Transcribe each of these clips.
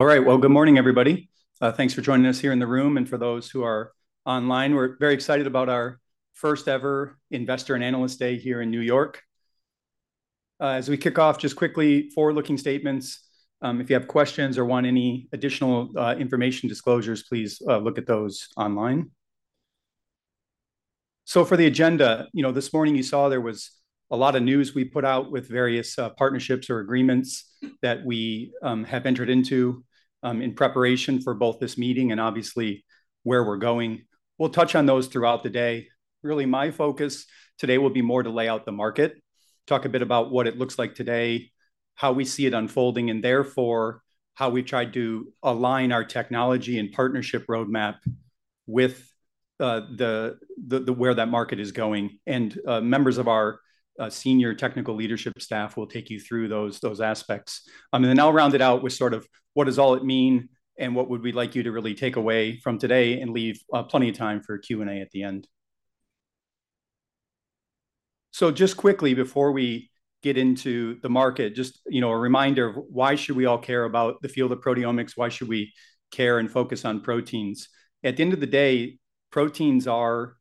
All right, well, good morning, everybody. Thanks for joining us here in the room. And for those who are online, we're very excited about our first-ever Investor and Analyst Day here in New York. As we kick off, just quickly forward-looking statements. If you have questions or want any additional information disclosures, please look at those online, so for the agenda, you know, this morning you saw there was a lot of news we put out with various partnerships or agreements that we have entered into in preparation for both this meeting and obviously where we're going. We'll touch on those throughout the day. Really, my focus today will be more to lay out the market, talk a bit about what it looks like today, how we see it unfolding, and therefore how we've tried to align our technology and partnership roadmap with the where that market is going. And members of our senior technical leadership staff will take you through those aspects. And then I'll round it out with sort of what does all it mean and what would we like you to really take away from today and leave plenty of time for Q&A at the end. So just quickly, before we get into the market, just, you know, a reminder of why should we all care about the field of proteomics? Why should we care and focus on proteins? At the end of the day, proteins are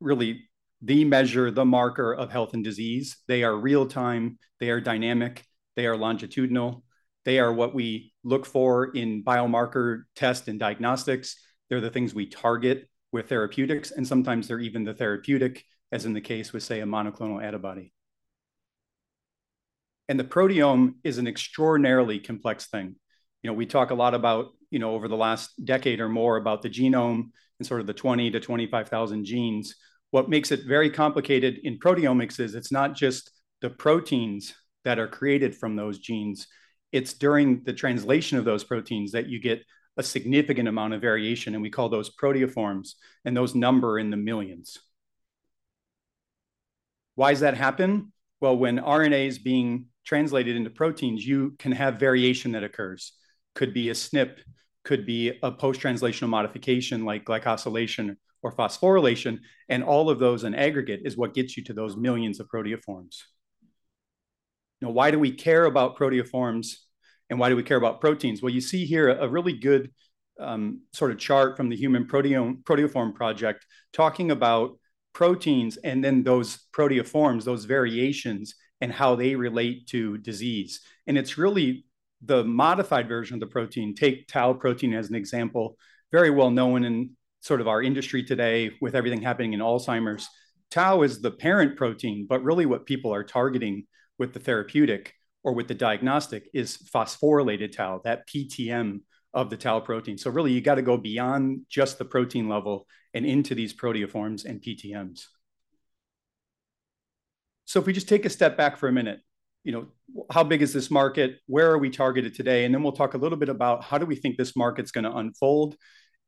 really the measure, the marker of health and disease. They are real-time. They are dynamic. They are longitudinal. They are what we look for in biomarker tests and diagnostics. They're the things we target with therapeutics. And sometimes they're even the therapeutic, as in the case with, say, a monoclonal antibody. And the proteome is an extraordinarily complex thing. You know, we talk a lot about, you know, over the last decade or more about the genome and sort of the 20,000 genes-25,000 genes. What makes it very complicated in proteomics is it's not just the proteins that are created from those genes. It's during the translation of those proteins that you get a significant amount of variation. And we call those proteoforms. And those number in the millions. Why does that happen? Well, when RNA is being translated into proteins, you can have variation that occurs. Could be a SNP, could be a post-translational modification like glycosylation or phosphorylation. And all of those in aggregate is what gets you to those millions of proteoforms. Now, why do we care about proteoforms and why do we care about proteins? You see here a really good sort of chart from the Human Proteoform Project talking about proteins and then those proteoforms, those variations, and how they relate to disease. It's really the modified version of the protein. Take tau protein as an example, very well known in sort of our industry today with everything happening in Alzheimer's. Tau is the parent protein. Really what people are targeting with the therapeutic or with the diagnostic is phosphorylated tau, that PTM of the tau protein. Really you got to go beyond just the protein level and into these proteoforms and PTMs. If we just take a step back for a minute, you know, how big is this market? Where are we targeted today? Then we'll talk a little bit about how do we think this market's going to unfold?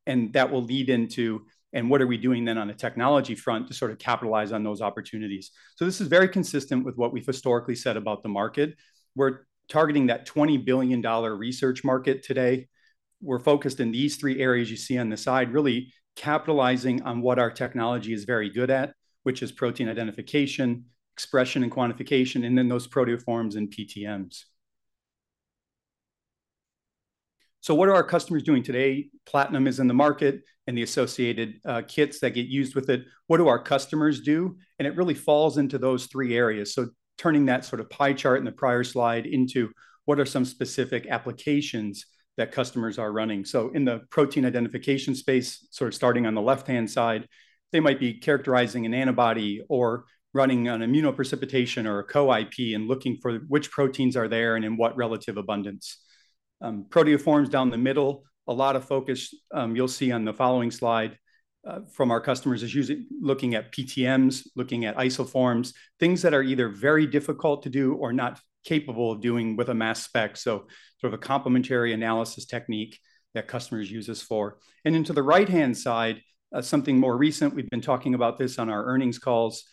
That will lead into what are we doing then on a technology front to sort of capitalize on those opportunities. So this is very consistent with what we've historically said about the market. We're targeting that $20 billion research market today. We're focused in these three areas you see on the side, really capitalizing on what our technology is very good at, which is protein identification, expression and quantification, and then those proteoforms and PTMs. So what are our customers doing today? Platinum is in the market and the associated kits that get used with it. What do our customers do? And it really falls into those three areas. So turning that sort of pie chart in the prior slide into what are some specific applications that customers are running. So in the protein identification space, sort of starting on the left-hand side, they might be characterizing an antibody or running on immunoprecipitation or a Co-IP and looking for which proteins are there and in what relative abundance. Proteoforms down the middle, a lot of focus you'll see on the following slide from our customers is usually looking at PTMs, looking at isoforms, things that are either very difficult to do or not capable of doing with a mass spec, so sort of a complementary analysis technique that customers use this for, and into the right-hand side, something more recent, we've been talking about this on our earnings calls.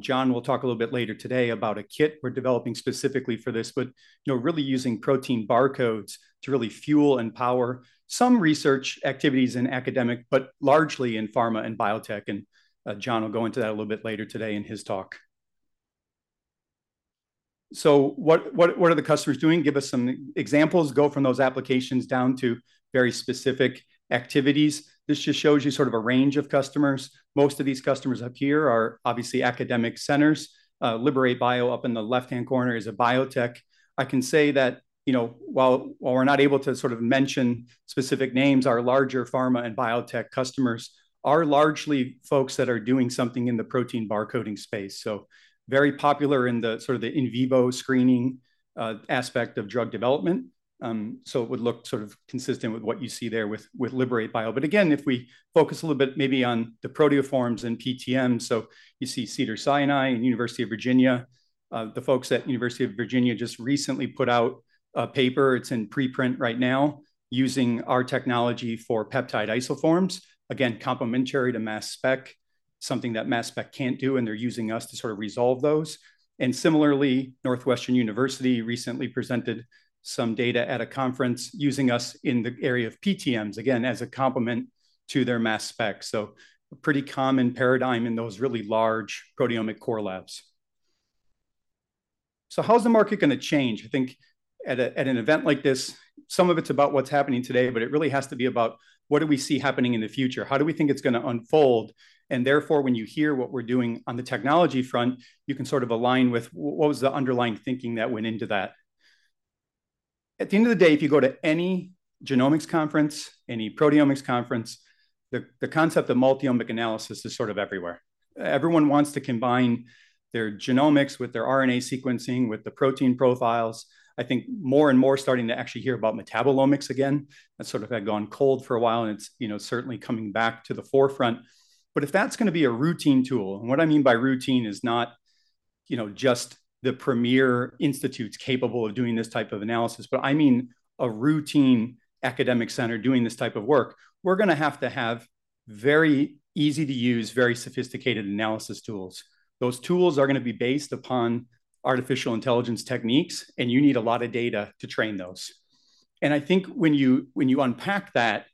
John will talk a little bit later today about a kit we're developing specifically for this, but really using protein barcodes to really fuel and power some research activities in academic, but largely in pharma and biotech. John will go into that a little bit later today in his talk. So what are the customers doing? Give us some examples. Go from those applications down to very specific activities. This just shows you sort of a range of customers. Most of these customers up here are obviously academic centers. Liberate Bio up in the left-hand corner is a biotech. I can say that, you know, while we're not able to sort of mention specific names, our larger pharma and biotech customers are largely folks that are doing something in the protein barcoding space. So very popular in the sort of the in vivo screening aspect of drug development. So it would look sort of consistent with what you see there with Liberate Bio. But again, if we focus a little bit maybe on the proteoforms and PTMs. So you see Cedars-Sinai and University of Virginia. The folks at University of Virginia just recently put out a paper. It's in preprint right now using our technology for peptide isoforms, again, complementary to mass spec, something that mass spec can't do, and they're using us to sort of resolve those. And similarly, Northwestern University recently presented some data at a conference using us in the area of PTMs, again, as a complement to their mass spec, so a pretty common paradigm in those really large proteomic core labs, so how's the market going to change? I think at an event like this, some of it's about what's happening today, but it really has to be about what do we see happening in the future? How do we think it's going to unfold? Therefore, when you hear what we're doing on the technology front, you can sort of align with what was the underlying thinking that went into that. At the end of the day, if you go to any genomics conference, any proteomics conference, the concept of multi-omic analysis is sort of everywhere. Everyone wants to combine their genomics with their RNA sequencing, with the protein profiles. I think more and more starting to actually hear about metabolomics again. That's sort of had gone cold for a while. And it's, you know, certainly coming back to the forefront. But if that's going to be a routine tool, and what I mean by routine is not, you know, just the premier institutes capable of doing this type of analysis, but I mean a routine academic center doing this type of work, we're going to have to have very easy-to-use, very sophisticated analysis tools. Those tools are going to be based upon artificial intelligence techniques. And you need a lot of data to train those. And I think when you unpack that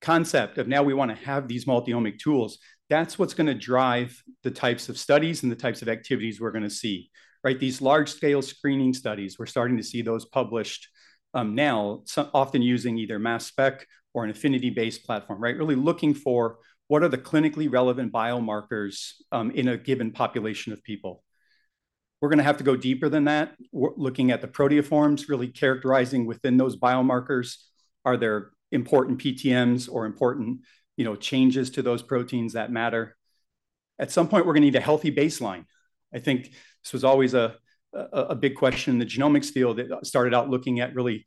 concept of now we want to have these multi-omic tools, that's what's going to drive the types of studies and the types of activities we're going to see, right? These large-scale screening studies, we're starting to see those published now, often using either mass spec or an affinity-based platform, right? Really looking for what are the clinically relevant biomarkers in a given population of people. We're going to have to go deeper than that, looking at the proteoforms, really characterizing within those biomarkers, are there important PTMs or important, you know, changes to those proteins that matter? At some point, we're going to need a healthy baseline. I think this was always a big question in the genomics field that started out looking at really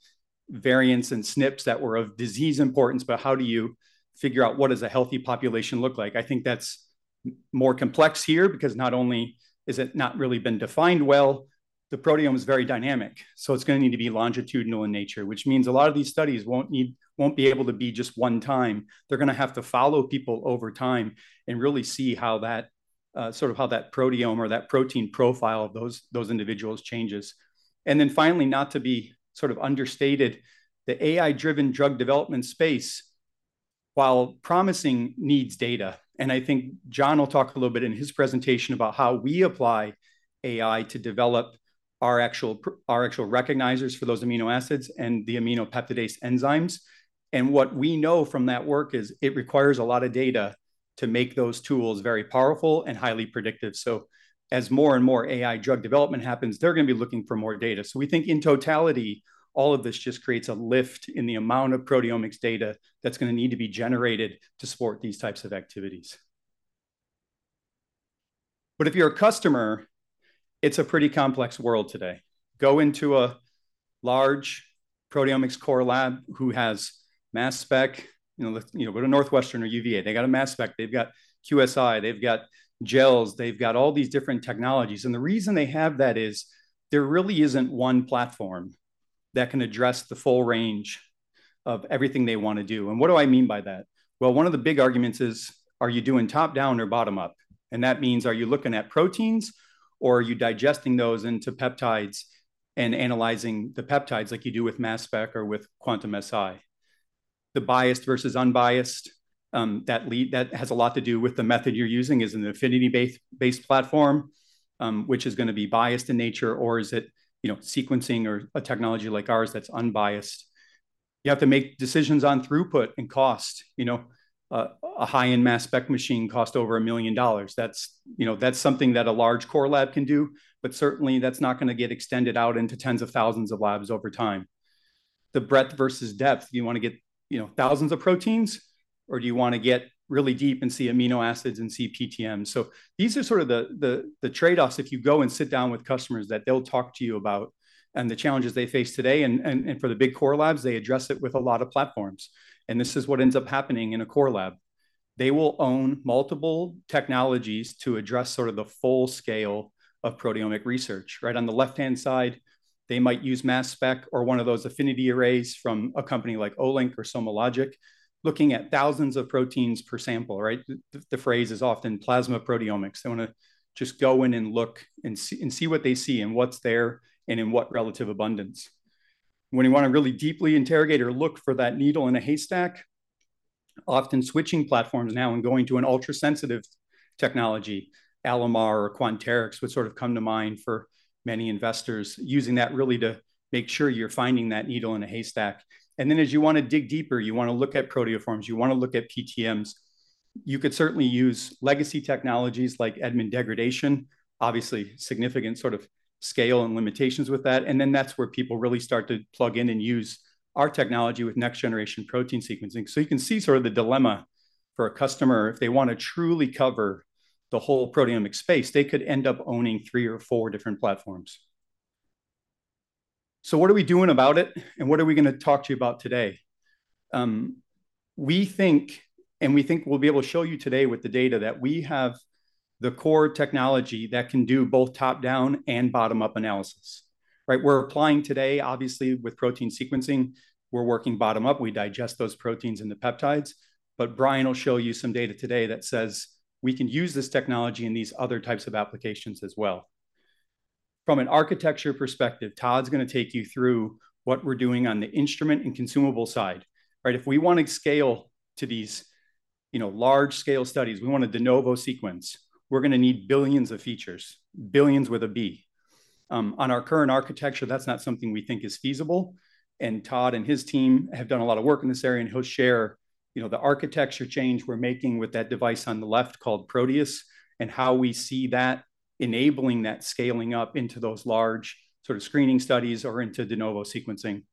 variants and SNPs that were of disease importance. But how do you figure out what does a healthy population look like? I think that's more complex here because not only has it not really been defined well, the proteome is very dynamic. So it's going to need to be longitudinal in nature, which means a lot of these studies won't be able to be just one time. They're going to have to follow people over time and really see how that sort of proteome or that protein profile of those individuals changes. And then finally, not to be sort of understated, the AI-driven drug development space, while promising, needs data. And I think John will talk a little bit in his presentation about how we apply AI to develop our actual recognizers for those amino acids and the aminopeptidase enzymes. And what we know from that work is it requires a lot of data to make those tools very powerful and highly predictive. So as more and more AI drug development happens, they're going to be looking for more data. So we think in totality, all of this just creates a lift in the amount of proteomics data that's going to need to be generated to support these types of activities. If you're a customer, it's a pretty complex world today. Go into a large proteomics core lab who has mass spec, you know, with a Northwestern or UVA. They got a mass spec. They've got QSI. They've got gels. They've got all these different technologies. The reason they have that is there really isn't one platform that can address the full range of everything they want to do. What do I mean by that? One of the big arguments is, are you doing top-down or bottom-up? That means are you looking at proteins or are you digesting those into peptides and analyzing the peptides like you do with mass spec or with Quantum-Si? The biased versus unbiased, that has a lot to do with the method you're using. Is it an affinity-based platform, which is going to be biased in nature? Or is it, you know, sequencing or a technology like ours that's unbiased? You have to make decisions on throughput and cost. You know, a high-end mass spec machine costs over $1 million. That's, you know, that's something that a large core lab can do. But certainly that's not going to get extended out into tens of thousands of labs over time. The breadth versus depth, do you want to get, you know, thousands of proteins or do you want to get really deep and see amino acids and see PTMs? So these are sort of the trade-offs if you go and sit down with customers that they'll talk to you about and the challenges they face today. And for the big core labs, they address it with a lot of platforms. And this is what ends up happening in a core lab. They will own multiple technologies to address sort of the full scale of proteomic research, right? On the left-hand side, they might use mass spec or one of those affinity arrays from a company like Olink or SomaLogic looking at thousands of proteins per sample, right? The phrase is often plasma proteomics. They want to just go in and look and see what they see and what's there and in what relative abundance. When you want to really deeply interrogate or look for that needle in a haystack, often switching platforms now and going to an ultra-sensitive technology, Alamar or Quanterix would sort of come to mind for many investors using that really to make sure you're finding that needle in a haystack. And then as you want to dig deeper, you want to look at proteoforms. You want to look at PTMs. You could certainly use legacy technologies like Edman degradation, obviously significant sort of scale and limitations with that. And then that's where people really start to plug in and use our technology with next-generation protein sequencing. So you can see sort of the dilemma for a customer. If they want to truly cover the whole proteomic space, they could end up owning three or four different platforms. So what are we doing about it? And what are we going to talk to you about today? We think, and we think we'll be able to show you today with the data that we have the core technology that can do both top-down and bottom-up analysis, right? We're applying today, obviously with protein sequencing, we're working bottom-up. We digest those proteins into the peptides. But Brian will show you some data today that says we can use this technology in these other types of applications as well. From an architecture perspective, Todd's going to take you through what we're doing on the instrument and consumable side, right? If we want to scale to these, you know, large-scale studies, we want a de novo sequence, we're going to need billions of features, billions with a B. On our current architecture, that's not something we think is feasible. And Todd and his team have done a lot of work in this area. And he'll share, you know, the architecture change we're making with that device on the left called Proteus and how we see that enabling that scaling up into those large sort of screening studies or into de novo sequencing.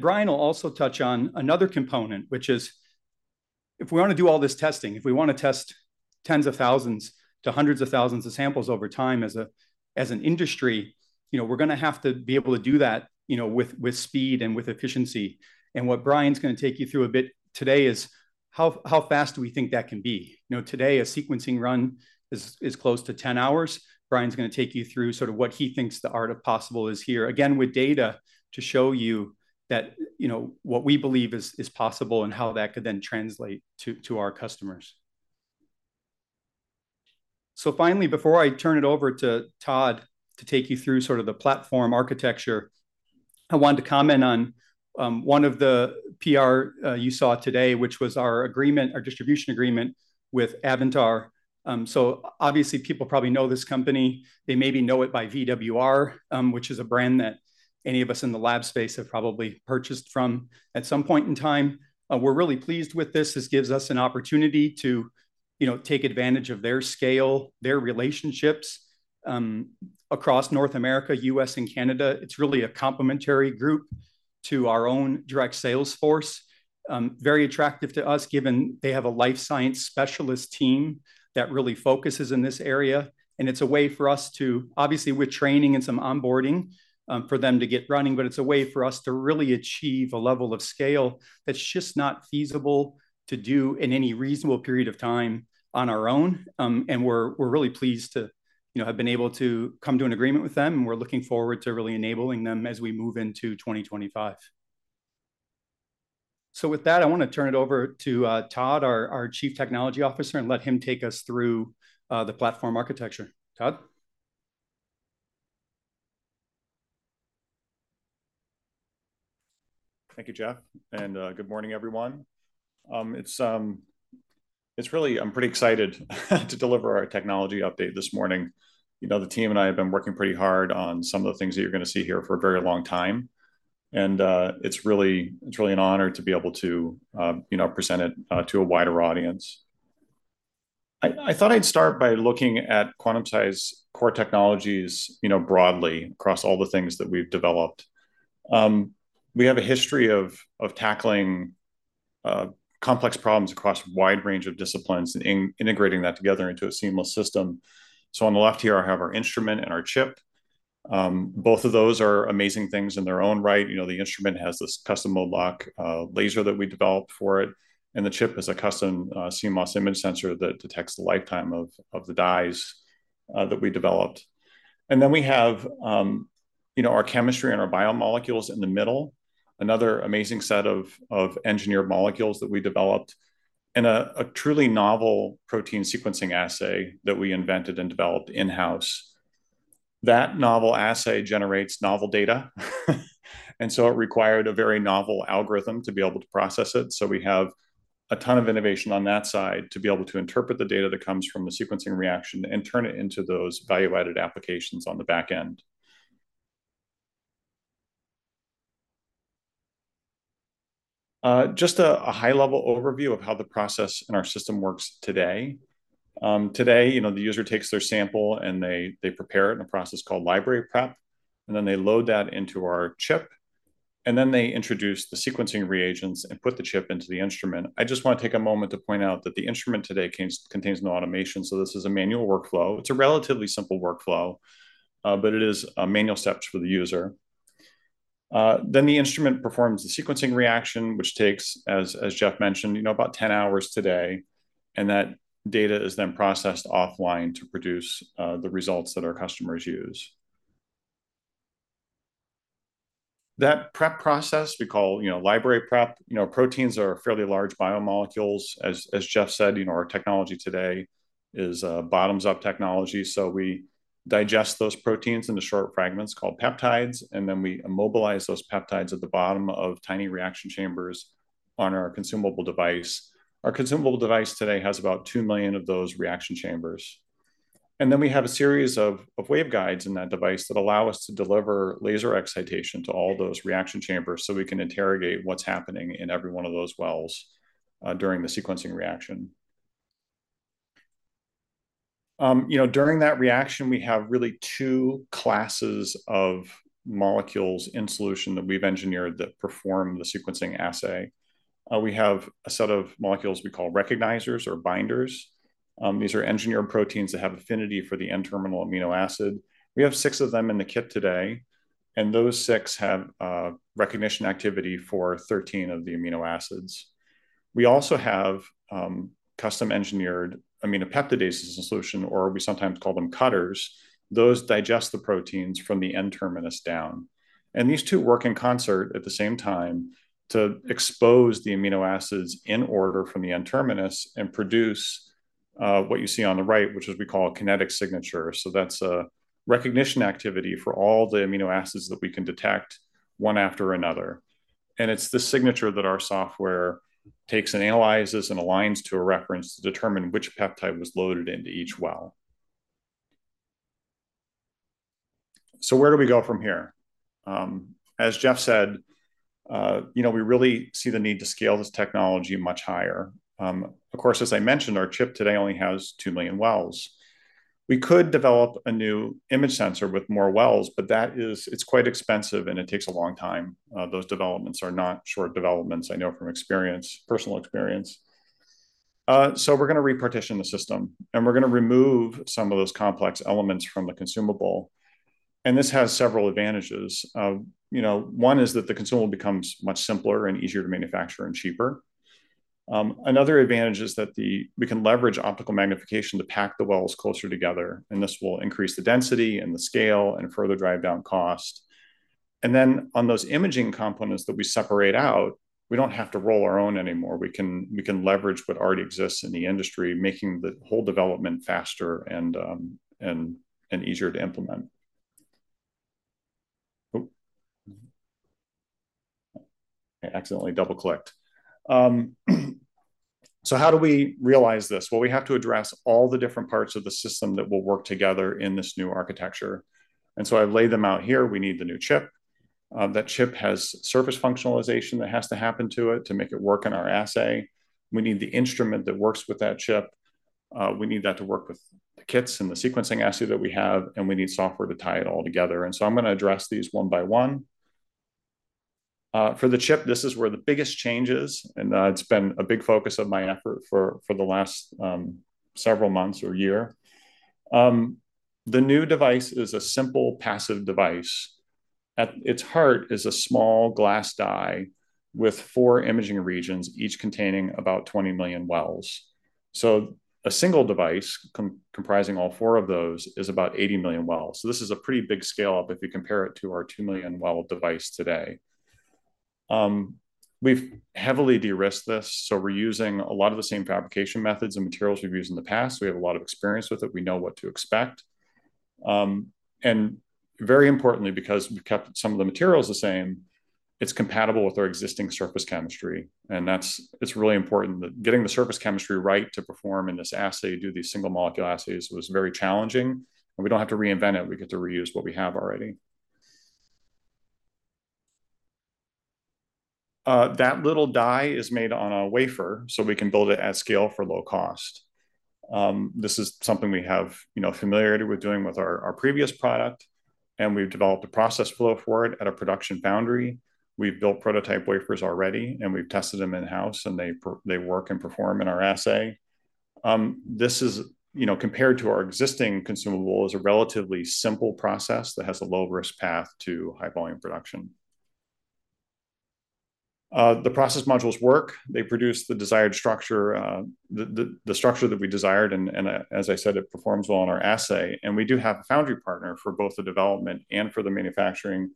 Brian will also touch on another component, which is if we want to do all this testing, if we want to test tens of thousands to hundreds of thousands of samples over time as an industry, you know, we're going to have to be able to do that, you know, with speed and with efficiency. What Brian's going to take you through a bit today is how fast do we think that can be? You know, today a sequencing run is close to 10 hours. Brian's going to take you through sort of what he thinks the art of possible is here, again, with data to show you that, you know, what we believe is possible and how that could then translate to our customers. So finally, before I turn it over to Todd to take you through sort of the platform architecture, I wanted to comment on one of the PR you saw today, which was our agreement, our distribution agreement with Avantor. So obviously people probably know this company. They maybe know it by VWR, which is a brand that any of us in the lab space have probably purchased from at some point in time. We're really pleased with this. This gives us an opportunity to, you know, take advantage of their scale, their relationships across North America, U.S., and Canada. It's really a complementary group to our own direct sales force, very attractive to us given they have a life science specialist team that really focuses in this area. It's a way for us to, obviously with training and some onboarding for them to get running, but it's a way for us to really achieve a level of scale that's just not feasible to do in any reasonable period of time on our own. We're really pleased to, you know, have been able to come to an agreement with them. We're looking forward to really enabling them as we move into 2025. With that, I want to turn it over to Todd, our Chief Technology Officer, and let him take us through the platform architecture. Todd. Thank you, Jeff. And good morning, everyone. It's really, I'm pretty excited to deliver our technology update this morning. You know, the team and I have been working pretty hard on some of the things that you're going to see here for a very long time. And it's really, it's really an honor to be able to, you know, present it to a wider audience. I thought I'd start by looking at Quantum-Si's core technologies, you know, broadly across all the things that we've developed. We have a history of tackling complex problems across a wide range of disciplines and integrating that together into a seamless system. So on the left here, I have our instrument and our chip. Both of those are amazing things in their own right. You know, the instrument has this custom mode-locked laser that we developed for it. And the chip is a custom CMOS image sensor that detects the lifetime of the dyes that we developed. And then we have, you know, our chemistry and our biomolecules in the middle, another amazing set of engineered molecules that we developed and a truly novel protein sequencing assay that we invented and developed in-house. That novel assay generates novel data. And so it required a very novel algorithm to be able to process it. So we have a ton of innovation on that side to be able to interpret the data that comes from the sequencing reaction and turn it into those value-added applications on the back end. Just a high-level overview of how the process in our system works today. Today, you know, the user takes their sample and they prepare it in a process called library prep. And then they load that into our chip. And then they introduce the sequencing reagents and put the chip into the instrument. I just want to take a moment to point out that the instrument today contains no automation. So this is a manual workflow. It's a relatively simple workflow, but it is manual steps for the user. Then the instrument performs the sequencing reaction, which takes, as Jeff mentioned, you know, about 10 hours today. And that data is then processed offline to produce the results that our customers use. That prep process we call, you know, library prep. You know, proteins are fairly large biomolecules. As Jeff said, you know, our technology today is bottom-up technology. So we digest those proteins into short fragments called peptides. And then we immobilize those peptides at the bottom of tiny reaction chambers on our consumable device. Our consumable device today has about 2 million of those reaction chambers. And then we have a series of waveguides in that device that allow us to deliver laser excitation to all those reaction chambers so we can interrogate what's happening in every one of those wells during the sequencing reaction. You know, during that reaction, we have really two classes of molecules in solution that we've engineered that perform the sequencing assay. We have a set of molecules we call recognizers or binders. These are engineered proteins that have affinity for the N-terminal amino acid. We have six of them in the kit today. And those six have recognition activity for 13 of the amino acids. We also have custom-engineered aminopeptidases in solution, or we sometimes call them cutters. Those digest the proteins from the N-terminus down. These two work in concert at the same time to expose the amino acids in order from the N-terminus and produce what you see on the right, which is what we call a kinetic signature. That's a recognition activity for all the amino acids that we can detect one after another. It's the signature that our software takes and analyzes and aligns to a reference to determine which peptide was loaded into each well. Where do we go from here? As Jeff said, you know, we really see the need to scale this technology much higher. Of course, as I mentioned, our chip today only has 2 million wells. We could develop a new image sensor with more wells, but that is, it's quite expensive and it takes a long time. Those developments are not short developments. I know from experience, personal experience. We're going to repartition the system. We're going to remove some of those complex elements from the consumable. This has several advantages. You know, one is that the consumable becomes much simpler and easier to manufacture and cheaper. Another advantage is that we can leverage optical magnification to pack the wells closer together. This will increase the density and the scale and further drive down cost. Then on those imaging components that we separate out, we don't have to roll our own anymore. We can leverage what already exists in the industry, making the whole development faster and easier to implement. I accidentally double-clicked. How do we realize this? We have to address all the different parts of the system that will work together in this new architecture. I lay them out here. We need the new chip. That chip has surface functionalization that has to happen to it to make it work in our assay. We need the instrument that works with that chip. We need that to work with the kits and the sequencing assay that we have. And so I'm going to address these one by one. For the chip, this is where the biggest change is. And it's been a big focus of my effort for the last several months or year. The new device is a simple passive device. At its heart is a small glass die with four imaging regions, each containing about 20 million wells. So a single device comprising all four of those is about 80 million wells. So this is a pretty big scale up if you compare it to our 2 million well device today. We've heavily de-risked this. We're using a lot of the same fabrication methods and materials we've used in the past. We have a lot of experience with it. We know what to expect. Very importantly, because we've kept some of the materials the same, it's compatible with our existing surface chemistry. That's, it's really important that getting the surface chemistry right to perform in this assay, do these single molecule assays was very challenging. We don't have to reinvent it. We get to reuse what we have already. That little die is made on a wafer, so we can build it at scale for low cost. This is something we have, you know, familiarity with doing with our previous product. We've developed a process flow for it at a production boundary. We've built prototype wafers already. We've tested them in-house. They work and perform in our assay. This is, you know, compared to our existing consumable, is a relatively simple process that has a low-risk path to high-volume production. The process modules work. They produce the desired structure, the structure that we desired. And as I said, it performs well on our assay. And we do have a foundry partner for both the development and for the manufacturing.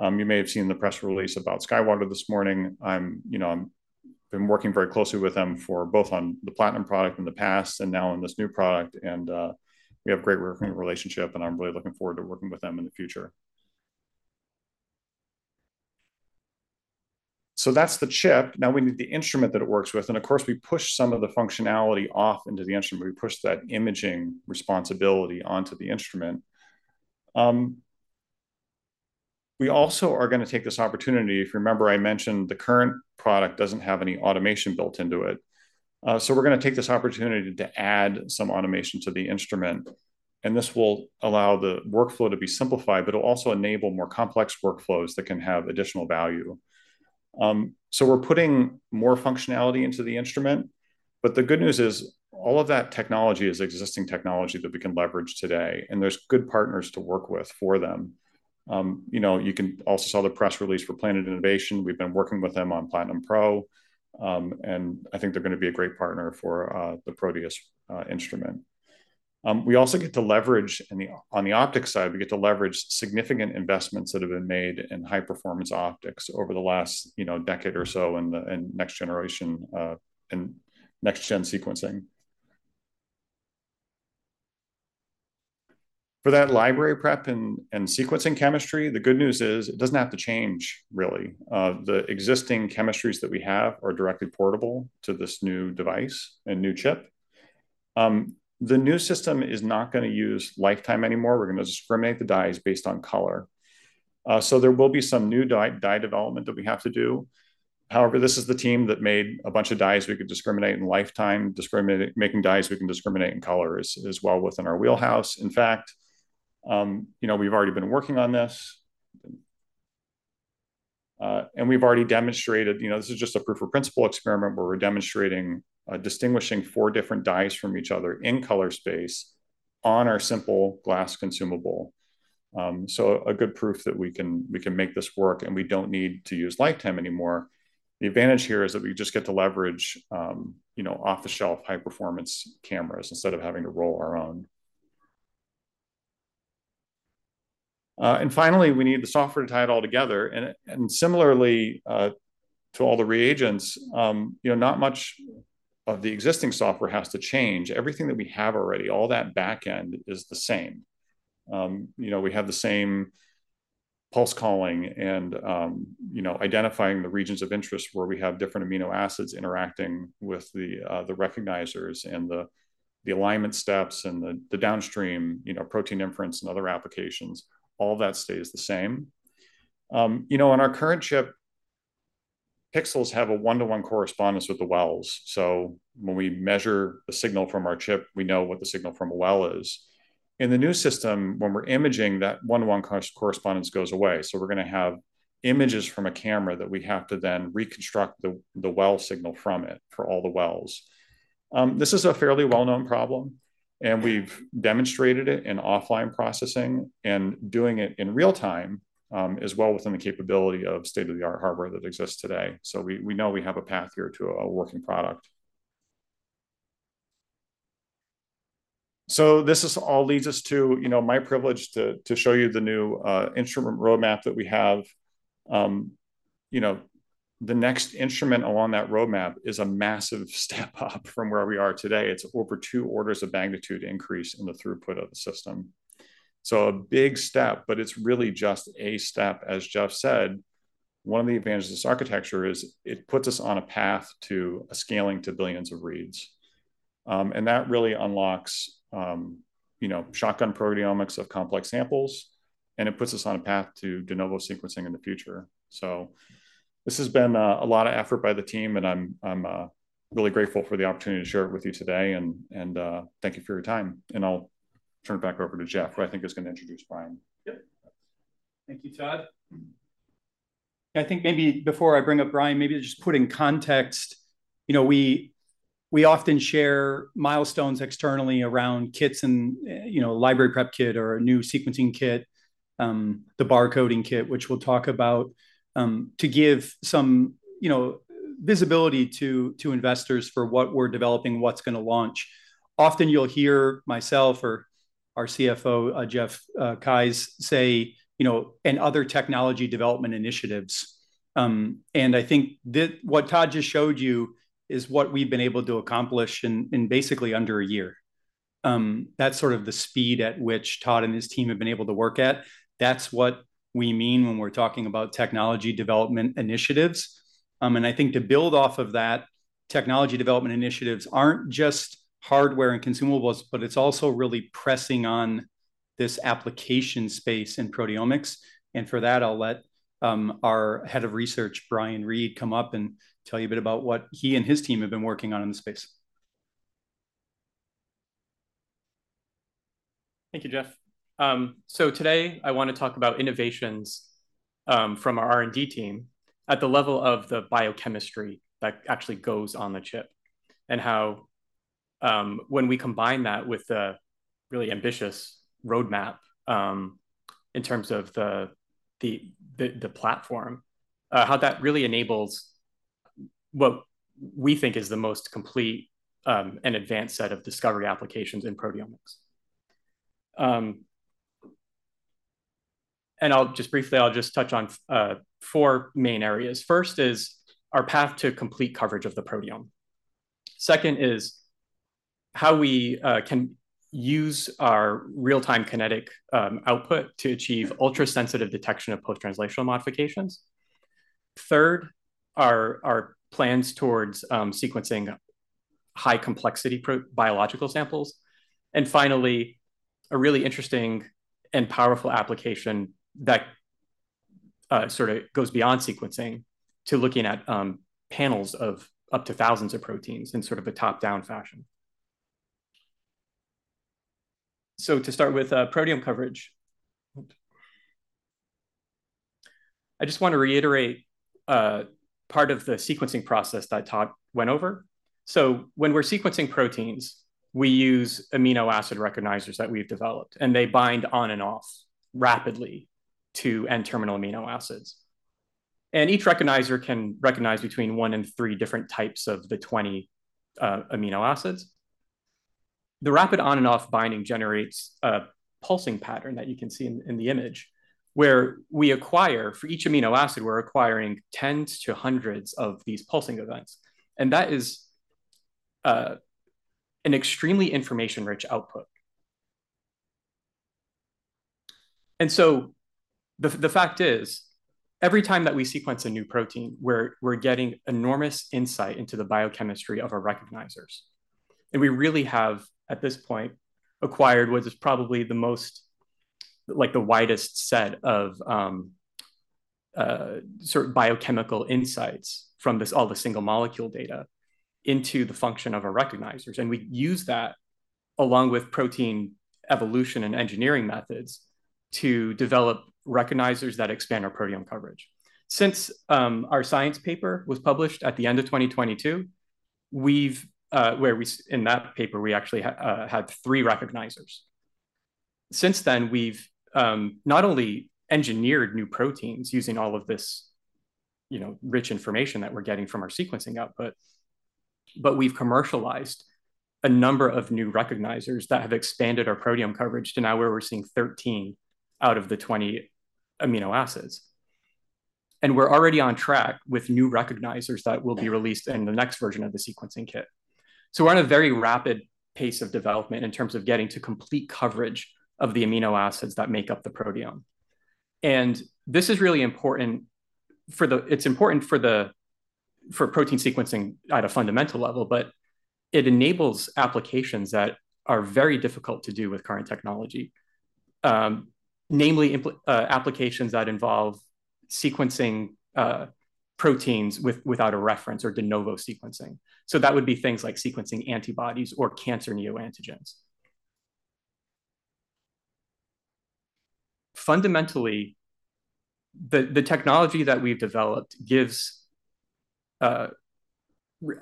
You may have seen the press release about SkyWater this morning. I'm, you know, I've been working very closely with them for both on the Platinum product in the past and now on this new product. And we have a great working relationship. And I'm really looking forward to working with them in the future. So that's the chip. Now we need the instrument that it works with. And of course, we push some of the functionality off into the instrument. We push that imaging responsibility onto the instrument. We also are going to take this opportunity. If you remember, I mentioned the current product doesn't have any automation built into it, so we're going to take this opportunity to add some automation to the instrument. This will allow the workflow to be simplified, but it'll also enable more complex workflows that can have additional value, so we're putting more functionality into the instrument. The good news is all of that technology is existing technology that we can leverage today, and there's good partners to work with for them. You know, you also saw the press release for Planet Innovation. We've been working with them on Platinum Pro. I think they're going to be a great partner for the Proteus instrument. We also get to leverage on the optic side, we get to leverage significant investments that have been made in high-performance optics over the last, you know, decade or so and next generation and next-gen sequencing. For that library prep and sequencing chemistry, the good news is it doesn't have to change, really. The existing chemistries that we have are directly portable to this new device and new chip. The new system is not going to use lifetime anymore. We're going to discriminate the dyes based on color. So there will be some new dye development that we have to do. However, this is the team that made a bunch of dyes we could discriminate in lifetime, making dyes we can discriminate in color is well within our wheelhouse. In fact, you know, we've already been working on this. And we've already demonstrated, you know, this is just a proof of principle experiment where we're demonstrating distinguishing four different dyes from each other in color space on our simple glass consumable. So a good proof that we can make this work and we don't need to use lifetime anymore. The advantage here is that we just get to leverage, you know, off-the-shelf high-performance cameras instead of having to roll our own. And finally, we need the software to tie it all together. And similarly to all the reagents, you know, not much of the existing software has to change. Everything that we have already, all that back end is the same. You know, we have the same pulse calling and, you know, identifying the regions of interest where we have different amino acids interacting with the recognizers and the alignment steps and the downstream, you know, protein inference and other applications. All that stays the same. You know, on our current chip, pixels have a one-to-one correspondence with the wells. So when we measure the signal from our chip, we know what the signal from a well is. In the new system, when we're imaging, that one-to-one correspondence goes away. So we're going to have images from a camera that we have to then reconstruct the well signal from it for all the wells. This is a fairly well-known problem, and we've demonstrated it in offline processing and doing it in real time as well within the capability of state-of-the-art hardware that exists today. So we know we have a path here to a working product. So this all leads us to, you know, my privilege to show you the new instrument roadmap that we have. You know, the next instrument along that roadmap is a massive step up from where we are today. It's over two orders of magnitude increase in the throughput of the system. So a big step, but it's really just a step. As Jeff said, one of the advantages of this architecture is it puts us on a path to scaling to billions of reads. And that really unlocks, you know, shotgun proteomics of complex samples. And it puts us on a path to de novo sequencing in the future. So this has been a lot of effort by the team. And I'm really grateful for the opportunity to share it with you today. Thank you for your time. I'll turn it back over to Jeff, who I think is going to introduce Brian. Yep. Thank you, Todd. I think maybe before I bring up Brian, maybe just putting context, you know, we often share milestones externally around kits and, you know, library prep kit or a new sequencing kit, the barcoding kit, which we'll talk about to give some, you know, visibility to investors for what we're developing, what's going to launch. Often you'll hear myself or our CFO, Jeff Keyes, say, you know, and other technology development initiatives. I think what Todd just showed you is what we've been able to accomplish in basically under a year. That's sort of the speed at which Todd and his team have been able to work at. That's what we mean when we're talking about technology development initiatives. I think to build off of that, technology development initiatives aren't just hardware and consumables, but it's also really pressing on this application space in proteomics. For that, I'll let our head of research, Brian Reed, come up and tell you a bit about what he and his team have been working on in the space. Thank you, Jeff. Today I want to talk about innovations from our R&D team at the level of the biochemistry that actually goes on the chip and how when we combine that with the really ambitious roadmap in terms of the platform, how that really enables what we think is the most complete and advanced set of discovery applications in proteomics. I'll just touch on four main areas. First is our path to complete coverage of the proteome. Second is how we can use our real-time kinetic output to achieve ultra-sensitive detection of post-translational modifications. Third are our plans towards sequencing high-complexity biological samples. And finally, a really interesting and powerful application that sort of goes beyond sequencing to looking at panels of up to thousands of proteins in sort of a top-down fashion. So to start with proteome coverage, I just want to reiterate part of the sequencing process that Todd went over. So when we're sequencing proteins, we use amino acid recognizers that we've developed. And they bind on and off rapidly to N-terminal amino acids. And each recognizer can recognize between one and three different types of the 20 amino acids. The rapid on-and-off binding generates a pulsing pattern that you can see in the image where we acquire for each amino acid, we're acquiring tens to hundreds of these pulsing events. That is an extremely information-rich output. So the fact is, every time that we sequence a new protein, we're getting enormous insight into the biochemistry of our recognizers. We really have at this point acquired what is probably the most, like the widest set of sort of biochemical insights from all the single molecule data into the function of our recognizers. We use that along with protein evolution and engineering methods to develop recognizers that expand our proteome coverage. Since our science paper was published at the end of 2022, we've. In that paper, we actually had three recognizers. Since then, we've not only engineered new proteins using all of this, you know, rich information that we're getting from our sequencing out, but we've commercialized a number of new recognizers that have expanded our proteome coverage to now where we're seeing 13 out of the 20 amino acids. And we're already on track with new recognizers that will be released in the next version of the sequencing kit. So we're on a very rapid pace of development in terms of getting to complete coverage of the amino acids that make up the proteome. And this is really important for protein sequencing at a fundamental level, but it enables applications that are very difficult to do with current technology, namely applications that involve sequencing proteins without a reference or de novo sequencing. So that would be things like sequencing antibodies or cancer neoantigens. Fundamentally, the technology that we've developed gives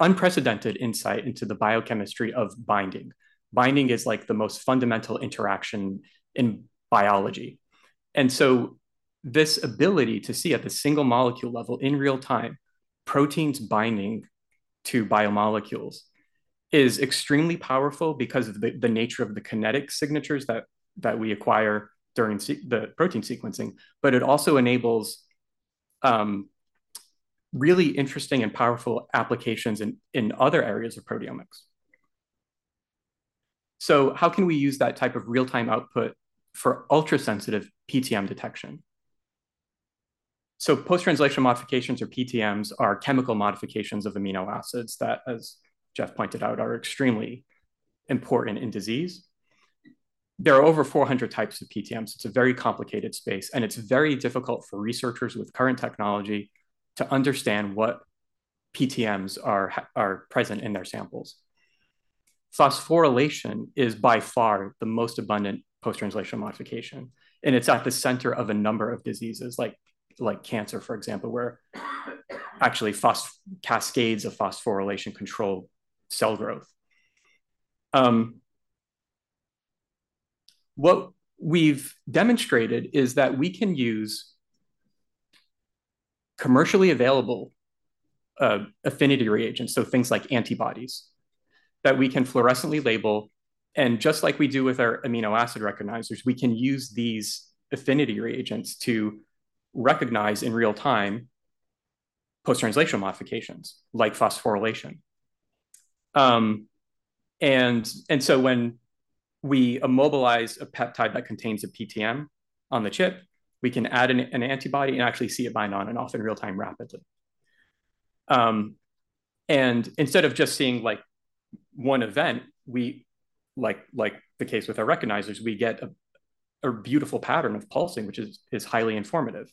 unprecedented insight into the biochemistry of binding. Binding is like the most fundamental interaction in biology. And so this ability to see at the single molecule level in real time proteins binding to biomolecules is extremely powerful because of the nature of the kinetic signatures that we acquire during the protein sequencing. But it also enables really interesting and powerful applications in other areas of proteomics. So how can we use that type of real-time output for ultra-sensitive PTM detection? So post-translational modifications or PTMs are chemical modifications of amino acids that, as Jeff pointed out, are extremely important in disease. There are over 400 types of PTMs. It's a very complicated space. And it's very difficult for researchers with current technology to understand what PTMs are present in their samples. Phosphorylation is by far the most abundant post-translational modification. It's at the center of a number of diseases like cancer, for example, where actually cascades of phosphorylation control cell growth. What we've demonstrated is that we can use commercially available affinity reagents, so things like antibodies, that we can fluorescently label. And just like we do with our amino acid recognizers, we can use these affinity reagents to recognize in real time post-translational modifications like phosphorylation. And so when we immobilize a peptide that contains a PTM on the chip, we can add an antibody and actually see it bind on and off in real time rapidly. And instead of just seeing like one event, like the case with our recognizers, we get a beautiful pattern of pulsing, which is highly informative.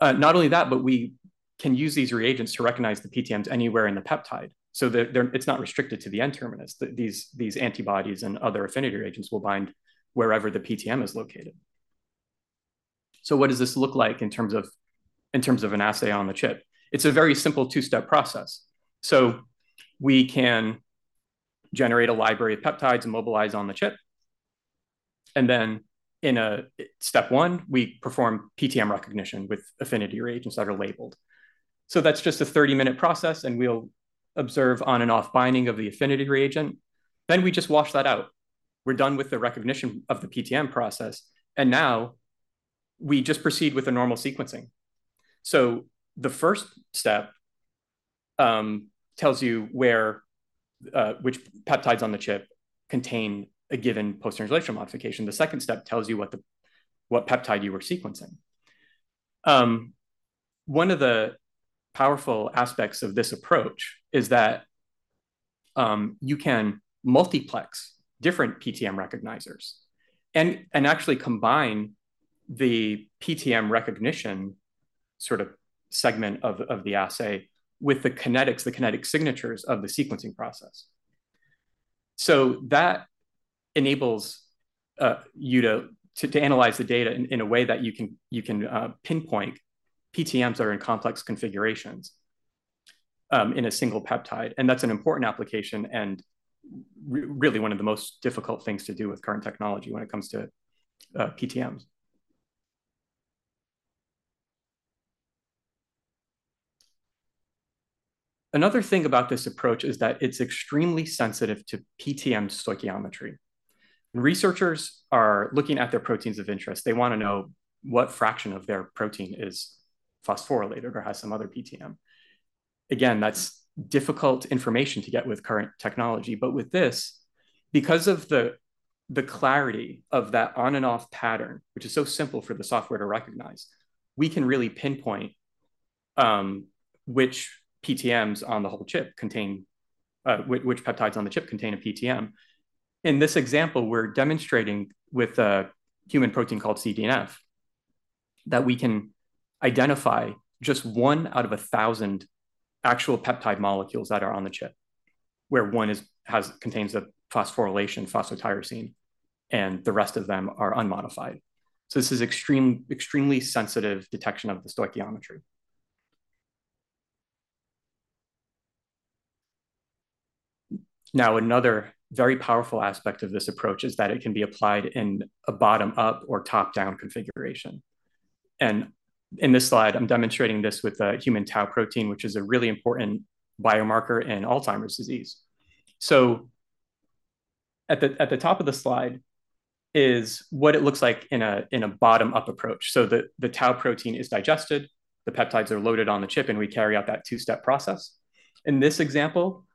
Not only that, but we can use these reagents to recognize the PTMs anywhere in the peptide. So it's not restricted to the end-terminus. These antibodies and other affinity reagents will bind wherever the PTM is located. So what does this look like in terms of an assay on the chip? It's a very simple two-step process. So we can generate a library of peptides and immobilize on the chip. And then in step one, we perform PTM recognition with affinity reagents that are labeled. So that's just a 30-minute process. And we'll observe on-and-off binding of the affinity reagent. Then we just wash that out. We're done with the recognition of the PTM process. And now we just proceed with a normal sequencing. So the first step tells you which peptides on the chip contain a given post-translational modification. The second step tells you what peptide you were sequencing. One of the powerful aspects of this approach is that you can multiplex different PTM recognizers and actually combine the PTM recognition sort of segment of the assay with the kinetics, the kinetic signatures of the sequencing process, so that enables you to analyze the data in a way that you can pinpoint PTMs that are in complex configurations in a single peptide, and that's an important application and really one of the most difficult things to do with current technology when it comes to PTMs. Another thing about this approach is that it's extremely sensitive to PTM stoichiometry. Researchers are looking at their proteins of interest. They want to know what fraction of their protein is phosphorylated or has some other PTM. Again, that's difficult information to get with current technology. But with this, because of the clarity of that on-and-off pattern, which is so simple for the software to recognize, we can really pinpoint which PTMs on the whole chip contain which peptides on the chip contain a PTM. In this example, we're demonstrating with a human protein called CDNF that we can identify just one out of a thousand actual peptide molecules that are on the chip, where one contains a phosphorylation phosphotyrosine, and the rest of them are unmodified, so this is extremely sensitive detection of the stoichiometry. Now, another very powerful aspect of this approach is that it can be applied in a bottom-up or top-down configuration, and in this slide, I'm demonstrating this with a human tau protein, which is a really important biomarker in Alzheimer's disease, so at the top of the slide is what it looks like in a bottom-up approach. So the Tau protein is digested. The peptides are loaded on the chip, and we carry out that two-step process. In this example,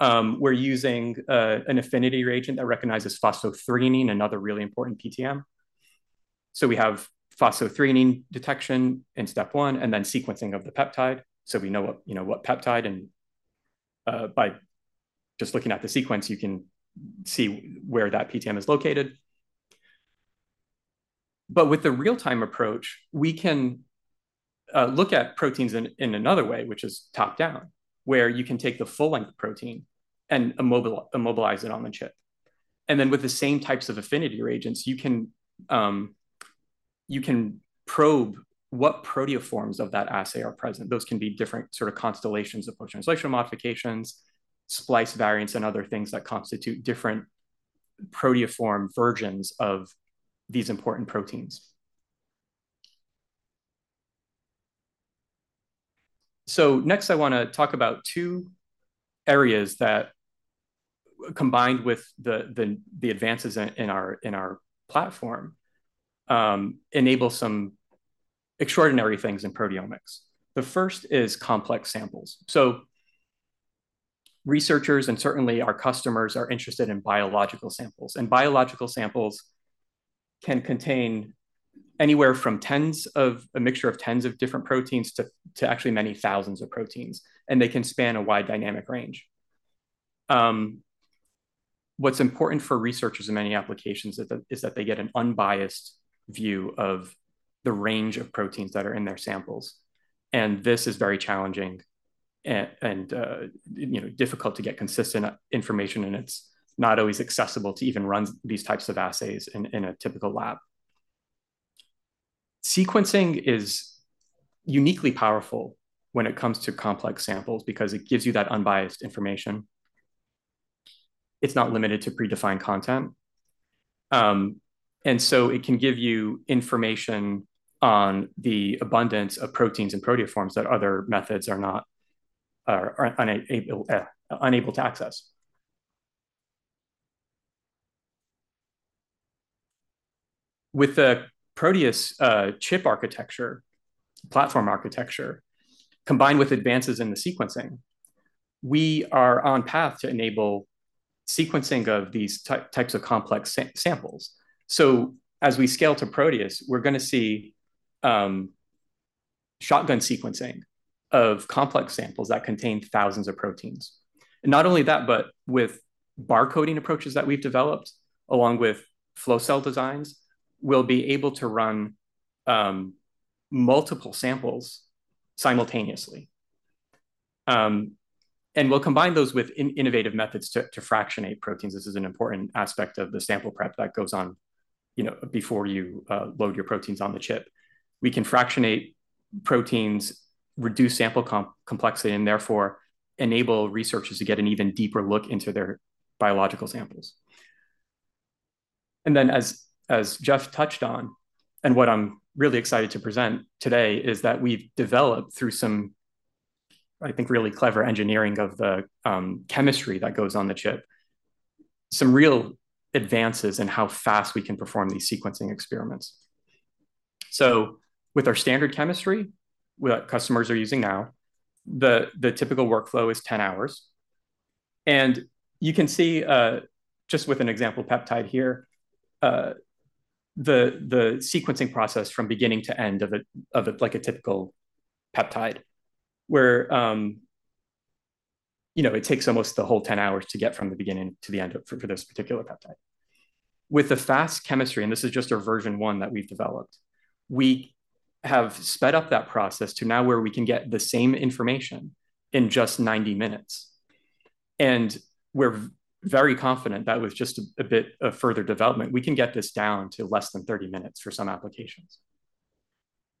we're using an affinity reagent that recognizes phosphothreonine, another really important PTM. So we have phosphothreonine detection in step one and then sequencing of the peptide. So we know what peptide, and by just looking at the sequence, you can see where that PTM is located. But with the real-time approach, we can look at proteins in another way, which is top-down, where you can take the full-length protein and immobilize it on the chip. And then with the same types of affinity reagents, you can probe what proteoforms of that protein are present. Those can be different sort of constellations of post-translational modifications, splice variants, and other things that constitute different proteoform versions of these important proteins. So next, I want to talk about two areas that, combined with the advances in our platform, enable some extraordinary things in proteomics. The first is complex samples. So researchers and certainly our customers are interested in biological samples. And biological samples can contain anywhere from a mixture of tens of different proteins to actually many thousands of proteins. And they can span a wide dynamic range. What's important for researchers in many applications is that they get an unbiased view of the range of proteins that are in their samples. And this is very challenging and difficult to get consistent information. And it's not always accessible to even run these types of assays in a typical lab. Sequencing is uniquely powerful when it comes to complex samples because it gives you that unbiased information. It's not limited to predefined content. And so it can give you information on the abundance of proteins and proteoforms that other methods are unable to access. With the Proteus chip architecture, platform architecture, combined with advances in the sequencing, we are on path to enable sequencing of these types of complex samples. So as we scale to Proteus, we're going to see shotgun sequencing of complex samples that contain thousands of proteins. And not only that, but with barcoding approaches that we've developed along with flow cell designs, we'll be able to run multiple samples simultaneously. And we'll combine those with innovative methods to fractionate proteins. This is an important aspect of the sample prep that goes on before you load your proteins on the chip. We can fractionate proteins, reduce sample complexity, and therefore enable researchers to get an even deeper look into their biological samples. And then, as Jeff touched on, and what I'm really excited to present today is that we've developed through some, I think, really clever engineering of the chemistry that goes on the chip, some real advances in how fast we can perform these sequencing experiments. So with our standard chemistry that customers are using now, the typical workflow is 10 hours. And you can see just with an example peptide here, the sequencing process from beginning to end of a typical peptide, where it takes almost the whole 10 hours to get from the beginning to the end for this particular peptide. With the fast chemistry, and this is just a version one that we've developed, we have sped up that process to now where we can get the same information in just 90 minutes. We're very confident that with just a bit of further development, we can get this down to less than 30 minutes for some applications.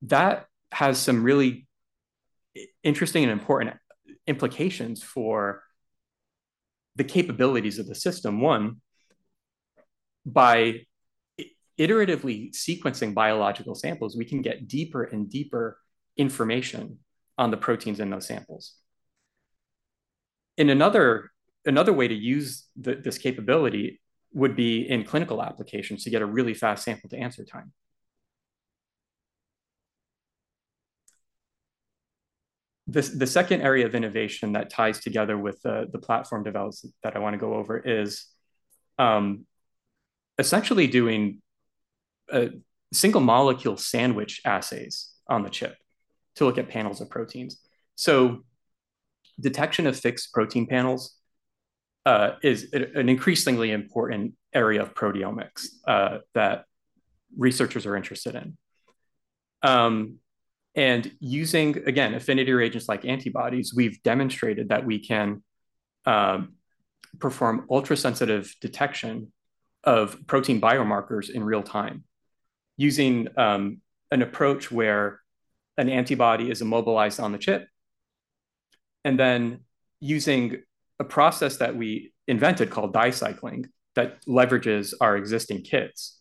That has some really interesting and important implications for the capabilities of the system. One, by iteratively sequencing biological samples, we can get deeper and deeper information on the proteins in those samples. Another way to use this capability would be in clinical applications to get a really fast sample-to-answer time. The second area of innovation that ties together with the platform developments that I want to go over is essentially doing single-molecule sandwich assays on the chip to look at panels of proteins. Detection of fixed protein panels is an increasingly important area of proteomics that researchers are interested in. And using, again, affinity reagents like antibodies, we've demonstrated that we can perform ultra-sensitive detection of protein biomarkers in real time using an approach where an antibody is immobilized on the chip. And then using a process that we invented called dye cycling that leverages our existing kits,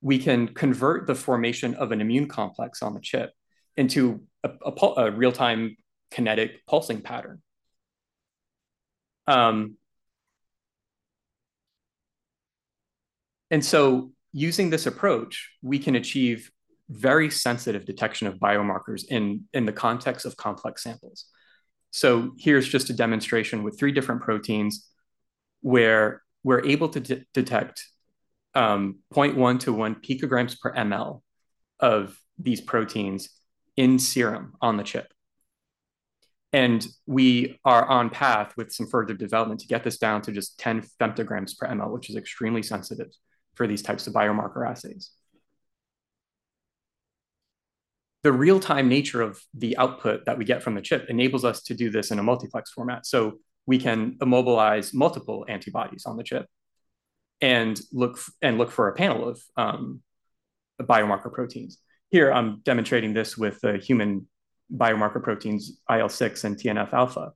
we can convert the formation of an immune complex on the chip into a real-time kinetic pulsing pattern. And so using this approach, we can achieve very sensitive detection of biomarkers in the context of complex samples. So here's just a demonstration with three different proteins where we're able to detect 0.1-1 pg/mL of these proteins in serum on the chip. And we are on path with some further development to get this down to just 10 femtograms per mL, which is extremely sensitive for these types of biomarker assays. The real-time nature of the output that we get from the chip enables us to do this in a multiplex format. So we can immobilize multiple antibodies on the chip and look for a panel of biomarker proteins. Here, I'm demonstrating this with human biomarker proteins IL-6 and TNF-alpha.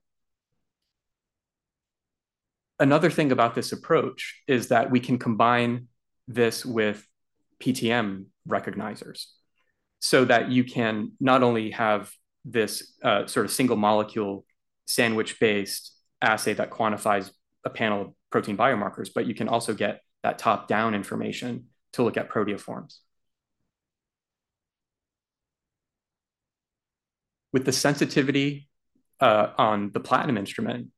Another thing about this approach is that we can combine this with PTM recognizers so that you can not only have this sort of single-molecule sandwich-based assay that quantifies a panel of protein biomarkers, but you can also get that top-down information to look at proteoforms. With the sensitivity on the Platinum instrument,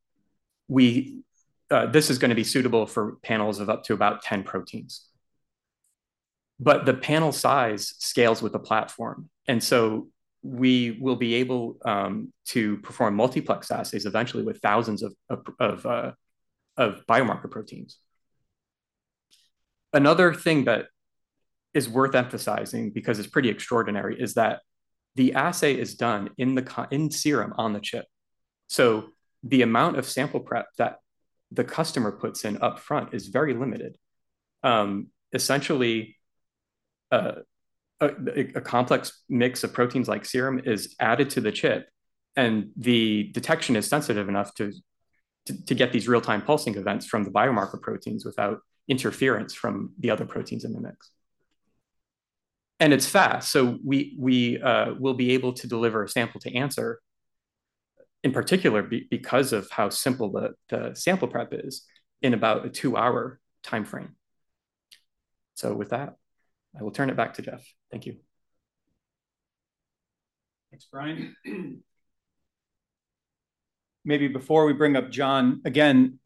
this is going to be suitable for panels of up to about 10 proteins. But the panel size scales with the platform. And so we will be able to perform multiplex assays eventually with thousands of biomarker proteins. Another thing that is worth emphasizing, because it's pretty extraordinary, is that the assay is done in serum on the chip. So the amount of sample prep that the customer puts in upfront is very limited. Essentially, a complex mix of proteins like serum is added to the chip, and the detection is sensitive enough to get these real-time pulsing events from the biomarker proteins without interference from the other proteins in the mix. And it's fast. So we will be able to deliver a sample-to-answer, in particular because of how simple the sample prep is, in about a two-hour time frame. So with that, I will turn it back to Jeff. Thank you. Thanks, Brian. Maybe before we bring up John, again,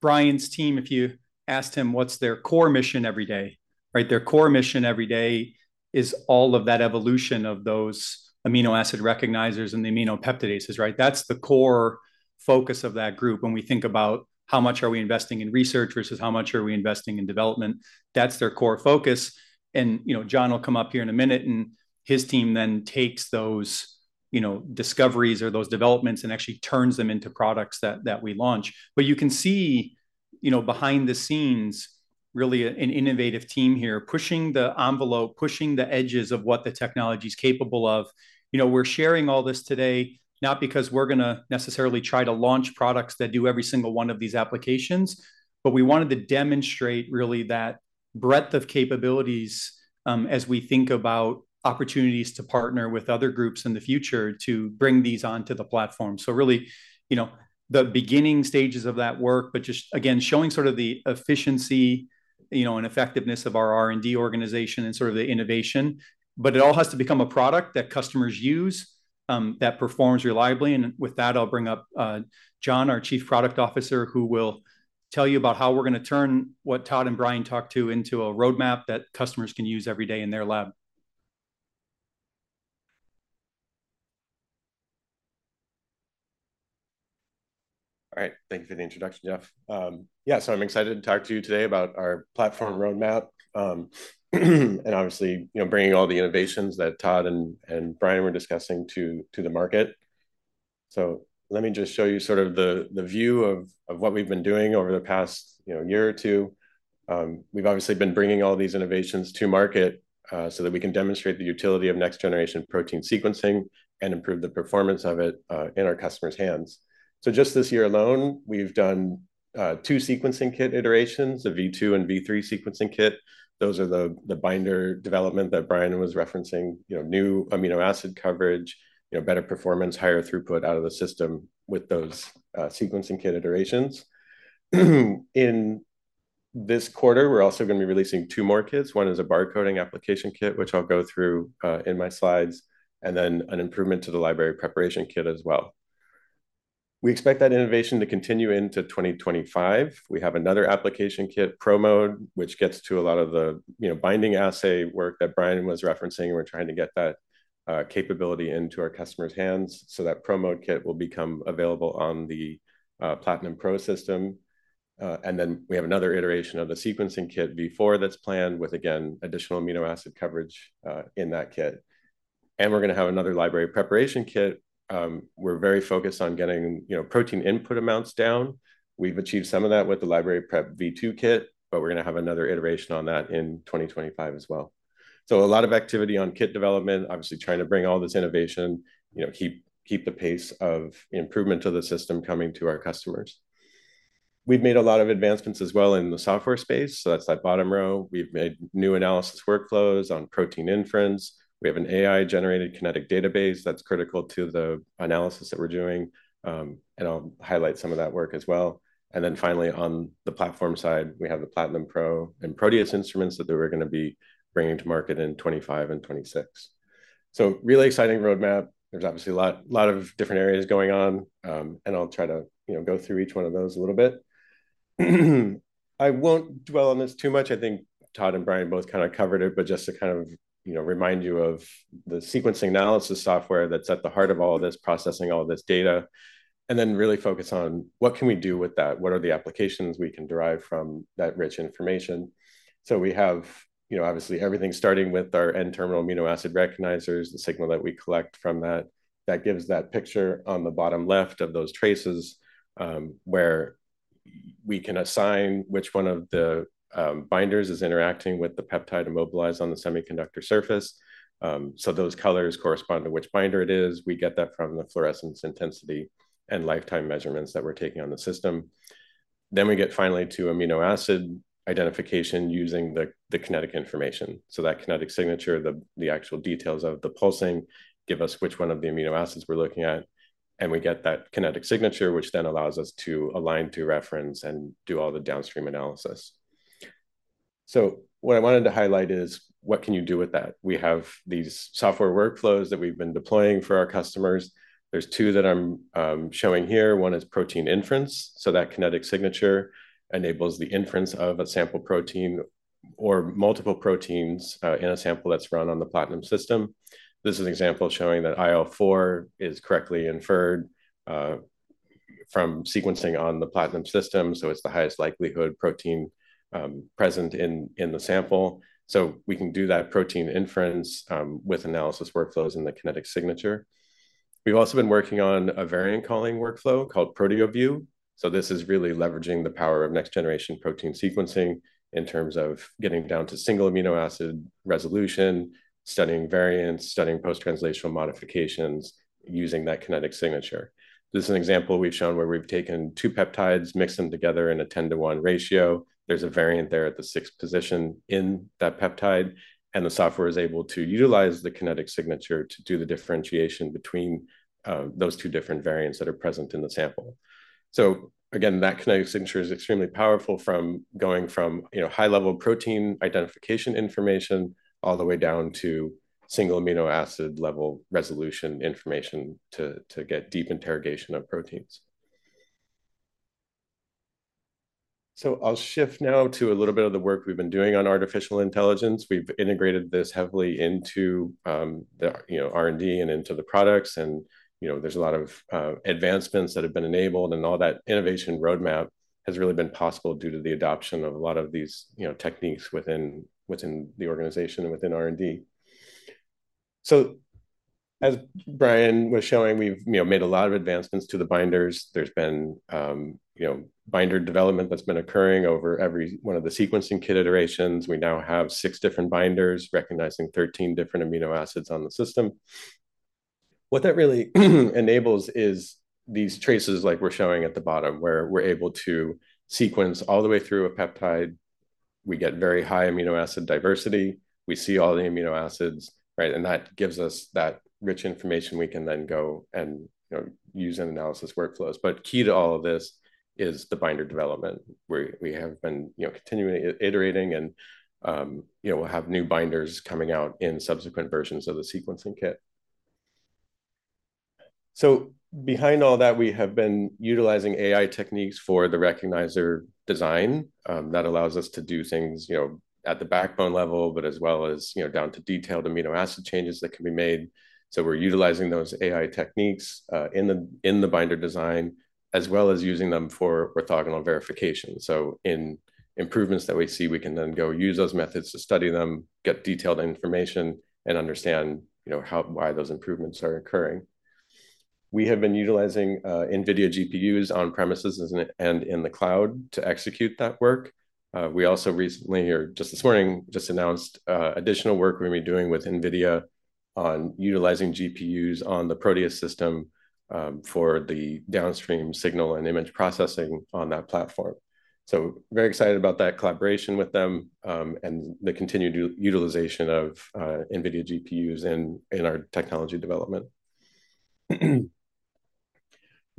Brian's team, if you asked him what's their core mission every day, their core mission every day is all of that evolution of those amino acid recognizers and the aminopeptidases, right? That's the core focus of that group. When we think about how much are we investing in research versus how much are we investing in development, that's their core focus. And John will come up here in a minute, and his team then takes those discoveries or those developments and actually turns them into products that we launch. But you can see behind the scenes, really an innovative team here pushing the envelope, pushing the edges of what the technology is capable of. We're sharing all this today not because we're going to necessarily try to launch products that do every single one of these applications, but we wanted to demonstrate really that breadth of capabilities as we think about opportunities to partner with other groups in the future to bring these onto the platform. So really, the beginning stages of that work, but just, again, showing sort of the efficiency and effectiveness of our R&D organization and sort of the innovation. But it all has to become a product that customers use that performs reliably. And with that, I'll bring up John, our Chief Product Officer, who will tell you about how we're going to turn what Todd and Brian talked to into a roadmap that customers can use every day in their lab. All right. Thank you for the introduction, Jeff. Yeah, so I'm excited to talk to you today about our platform roadmap and obviously bringing all the innovations that Todd and Brian were discussing to the market. So let me just show you sort of the view of what we've been doing over the past year or two. We've obviously been bringing all these innovations to market so that we can demonstrate the utility of next-generation protein sequencing and improve the performance of it in our customers' hands. So just this year alone, we've done two sequencing kit iterations, the V2 and V3 sequencing kit. Those are the binder development that Brian was referencing, new amino acid coverage, better performance, higher throughput out of the system with those sequencing kit iterations. In this quarter, we're also going to be releasing two more kits. One is a barcoding application kit, which I'll go through in my slides, and then an improvement to the library preparation kit as well. We expect that innovation to continue into 2025. We have another application kit, Pro Mode, which gets to a lot of the binding assay work that Brian was referencing. We're trying to get that capability into our customers' hands, so that Pro Mode kit will become available on the Platinum Pro system, and then we have another iteration of the sequencing kit V4 that's planned with, again, additional amino acid coverage in that kit, and we're going to have another library preparation kit. We're very focused on getting protein input amounts down. We've achieved some of that with the library prep V2 kit, but we're going to have another iteration on that in 2025 as well. So a lot of activity on kit development, obviously trying to bring all this innovation, keep the pace of improvement to the system coming to our customers. We've made a lot of advancements as well in the software space. So that's that bottom row. We've made new analysis workflows on protein inference. We have an AI-generated kinetic database that's critical to the analysis that we're doing. And I'll highlight some of that work as well. And then finally, on the platform side, we have the Platinum Pro and Proteus instruments that we're going to be bringing to market in 2025 and 2026. So really exciting roadmap. There's obviously a lot of different areas going on, and I'll try to go through each one of those a little bit. I won't dwell on this too much. I think Todd and Brian both kind of covered it, but just to kind of remind you of the sequencing analysis software that's at the heart of all of this processing all of this data, and then really focus on what can we do with that? What are the applications we can derive from that rich information? So we have obviously everything starting with our N-terminal amino acid recognizers, the signal that we collect from that that gives that picture on the bottom left of those traces where we can assign which one of the binders is interacting with the peptide immobilized on the semiconductor surface. So those colors correspond to which binder it is. We get that from the fluorescence intensity and lifetime measurements that we're taking on the system. Then we get finally to amino acid identification using the kinetic information. That kinetic signature, the actual details of the pulsing give us which one of the amino acids we're looking at. We get that kinetic signature, which then allows us to align to reference and do all the downstream analysis. What I wanted to highlight is what can you do with that? We have these software workflows that we've been deploying for our customers. There's two that I'm showing here. One is protein inference. That kinetic signature enables the inference of a sample protein or multiple proteins in a sample that's run on the Platinum system. This is an example showing that IL-4 is correctly inferred from sequencing on the Platinum system. It's the highest likelihood protein present in the sample. We can do that protein inference with analysis workflows in the kinetic signature. We've also been working on a variant calling workflow called ProteoView. So this is really leveraging the power of next-generation protein sequencing in terms of getting down to single amino acid resolution, studying variants, studying post-translational modifications using that kinetic signature. This is an example we've shown where we've taken two peptides, mixed them together in a 10 to one ratio. There's a variant there at the sixth position in that peptide. And the software is able to utilize the kinetic signature to do the differentiation between those two different variants that are present in the sample. So again, that kinetic signature is extremely powerful from going from high-level protein identification information all the way down to single amino acid level resolution information to get deep interrogation of proteins. So I'll shift now to a little bit of the work we've been doing on artificial intelligence. We've integrated this heavily into R&D and into the products. There's a lot of advancements that have been enabled. All that innovation roadmap has really been possible due to the adoption of a lot of these techniques within the organization and within R&D. As Brian was showing, we've made a lot of advancements to the binders. There's been binder development that's been occurring over every one of the sequencing kit iterations. We now have six different binders recognizing 13 different amino acids on the system. What that really enables is these traces like we're showing at the bottom where we're able to sequence all the way through a peptide. We get very high amino acid diversity. We see all the amino acids, right? That gives us that rich information we can then go and use in analysis workflows. Key to all of this is the binder development where we have been continually iterating. We'll have new binders coming out in subsequent versions of the sequencing kit. Behind all that, we have been utilizing AI techniques for the recognizer design that allows us to do things at the backbone level, but as well as down to detailed amino acid changes that can be made. We're utilizing those AI techniques in the binder design as well as using them for orthogonal verification. In improvements that we see, we can then go use those methods to study them, get detailed information, and understand why those improvements are occurring. We have been utilizing NVIDIA GPUs on premises and in the cloud to execute that work. We also recently, or just this morning, just announced additional work we're going to be doing with NVIDIA on utilizing GPUs on the Proteus system for the downstream signal and image processing on that platform. So very excited about that collaboration with them and the continued utilization of NVIDIA GPUs in our technology development.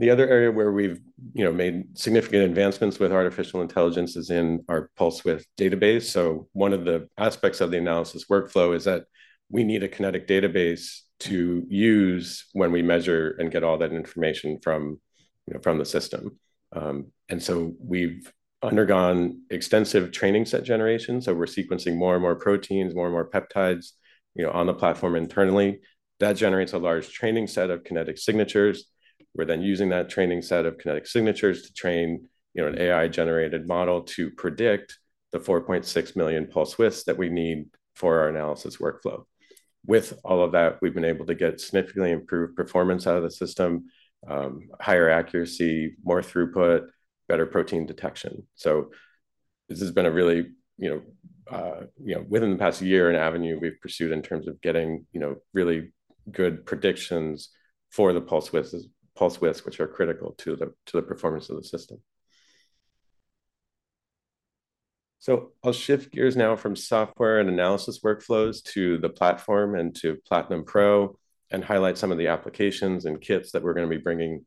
The other area where we've made significant advancements with artificial intelligence is in our pulse width database. So one of the aspects of the analysis workflow is that we need a kinetic database to use when we measure and get all that information from the system. And so we've undergone extensive training set generation. So we're sequencing more and more proteins, more and more peptides on the platform internally. That generates a large training set of kinetic signatures. We're then using that training set of kinetic signatures to train an AI-generated model to predict the 4.6 million pulse widths that we need for our analysis workflow. With all of that, we've been able to get significantly improved performance out of the system, higher accuracy, more throughput, better protein detection. So this has been a really, within the past year, an avenue we've pursued in terms of getting really good predictions for the pulse widths, which are critical to the performance of the system. So I'll shift gears now from software and analysis workflows to the platform and to Platinum Pro and highlight some of the applications and kits that we're going to be bringing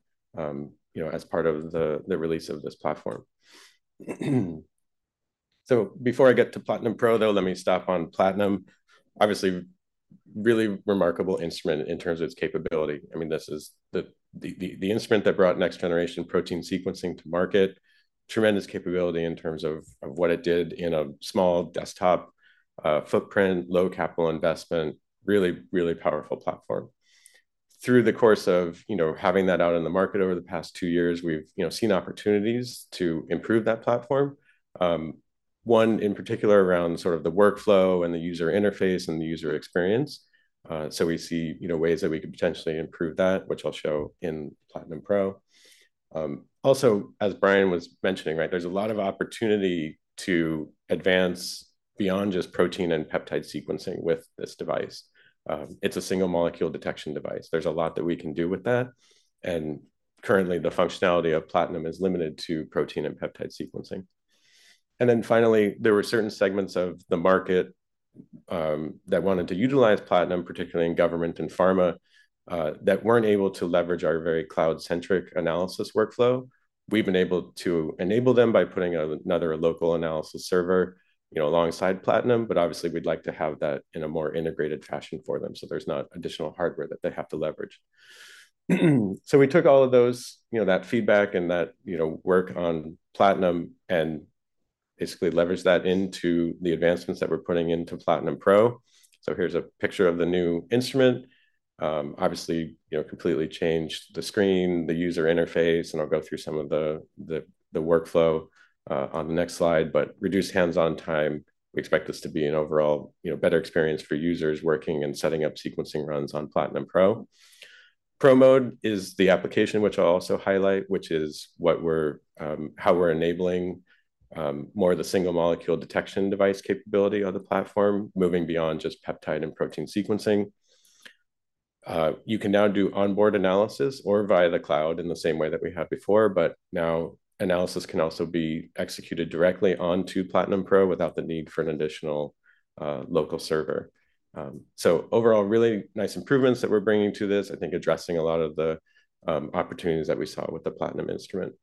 as part of the release of this platform. So before I get to Platinum Pro, though, let me stop on Platinum. Obviously, really remarkable instrument in terms of its capability. I mean, this is the instrument that brought next-generation protein sequencing to market, tremendous capability in terms of what it did in a small desktop footprint, low capital investment, really, really powerful platform. Through the course of having that out in the market over the past two years, we've seen opportunities to improve that platform, one in particular around sort of the workflow and the user interface and the user experience, so we see ways that we could potentially improve that, which I'll show in Platinum Pro. Also, as Brian was mentioning, right, there's a lot of opportunity to advance beyond just protein and peptide sequencing with this device. It's a single molecule detection device. There's a lot that we can do with that, and currently, the functionality of Platinum is limited to protein and peptide sequencing, and then finally, there were certain segments of the market that wanted to utilize Platinum, particularly in government and pharma, that weren't able to leverage our very cloud-centric analysis workflow. We've been able to enable them by putting another local analysis server alongside Platinum, but obviously, we'd like to have that in a more integrated fashion for them so there's not additional hardware that they have to leverage. So we took all of that feedback and that work on Platinum and basically leveraged that into the advancements that we're putting into Platinum Pro. So here's a picture of the new instrument. Obviously, completely changed the screen, the user interface, and I'll go through some of the workflow on the next slide, but reduced hands-on time. We expect this to be an overall better experience for users working and setting up sequencing runs on Platinum Pro. Pro Mode is the application which I'll also highlight, which is how we're enabling more of the single molecule detection device capability of the platform, moving beyond just peptide and protein sequencing. You can now do onboard analysis or via the cloud in the same way that we had before, but now analysis can also be executed directly onto Platinum Pro without the need for an additional local server. So overall, really nice improvements that we're bringing to this, I think, addressing a lot of the opportunities that we saw with the Platinum instrument.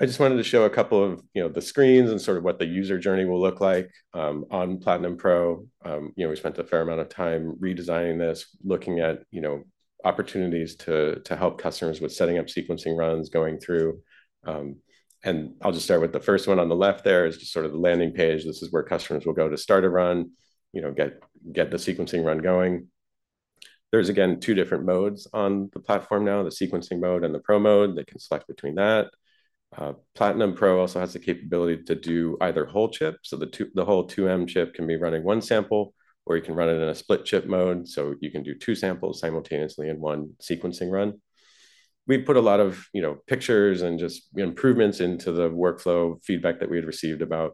I just wanted to show a couple of the screens and sort of what the user journey will look like on Platinum Pro. We spent a fair amount of time redesigning this, looking at opportunities to help customers with setting up sequencing runs, going through, and I'll just start with the first one on the left there, just sort of the landing page. This is where customers will go to start a run, get the sequencing run going. There's again two different modes on the platform now, the sequencing mode and the Pro Mode. They can select between that. Platinum Pro also has the capability to do either whole chip. So the whole 2M chip can be running one sample, or you can run it in a split chip mode. So you can do two samples simultaneously in one sequencing run. We've put a lot of pictures and just improvements into the workflow feedback that we had received about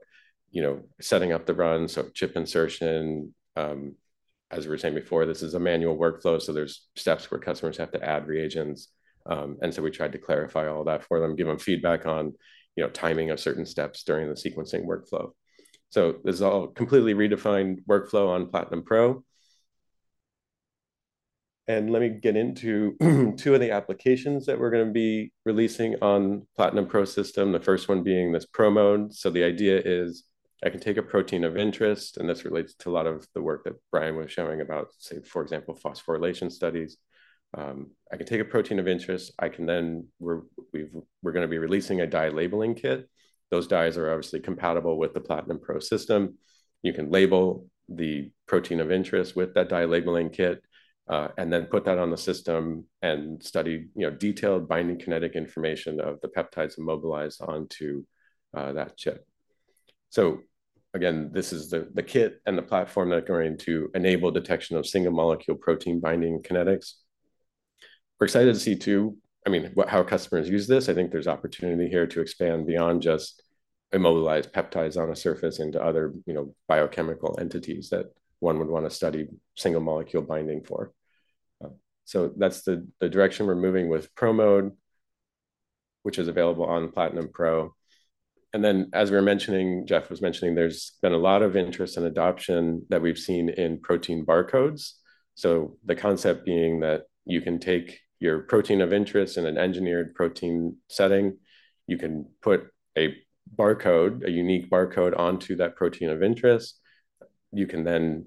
setting up the run. So chip insertion, as we were saying before, this is a manual workflow. So there's steps where customers have to add reagents. And so we tried to clarify all that for them, give them feedback on timing of certain steps during the sequencing workflow. So this is all completely redefined workflow on Platinum Pro. Let me get into two of the applications that we're going to be releasing on the Platinum Pro system, the first one being this Pro Mode. The idea is I can take a protein of interest, and this relates to a lot of the work that Brian was showing about, say, for example, phosphorylation studies. I can take a protein of interest. I can then we're going to be releasing a dye labeling kit. Those dyes are obviously compatible with the Platinum Pro system. You can label the protein of interest with that dye labeling kit and then put that on the system and study detailed binding kinetic information of the peptides immobilized onto that chip. Again, this is the kit and the platform that are going to enable detection of single molecule protein binding kinetics. We're excited to see too, I mean, how customers use this. I think there's opportunity here to expand beyond just immobilized peptides on a surface into other biochemical entities that one would want to study single molecule binding for. So that's the direction we're moving with Pro Mode, which is available on Platinum Pro. And then, as we were mentioning, Jeff was mentioning, there's been a lot of interest in adoption that we've seen in protein barcodes. So the concept being that you can take your protein of interest in an engineered protein setting. You can put a barcode, a unique barcode onto that protein of interest. You can then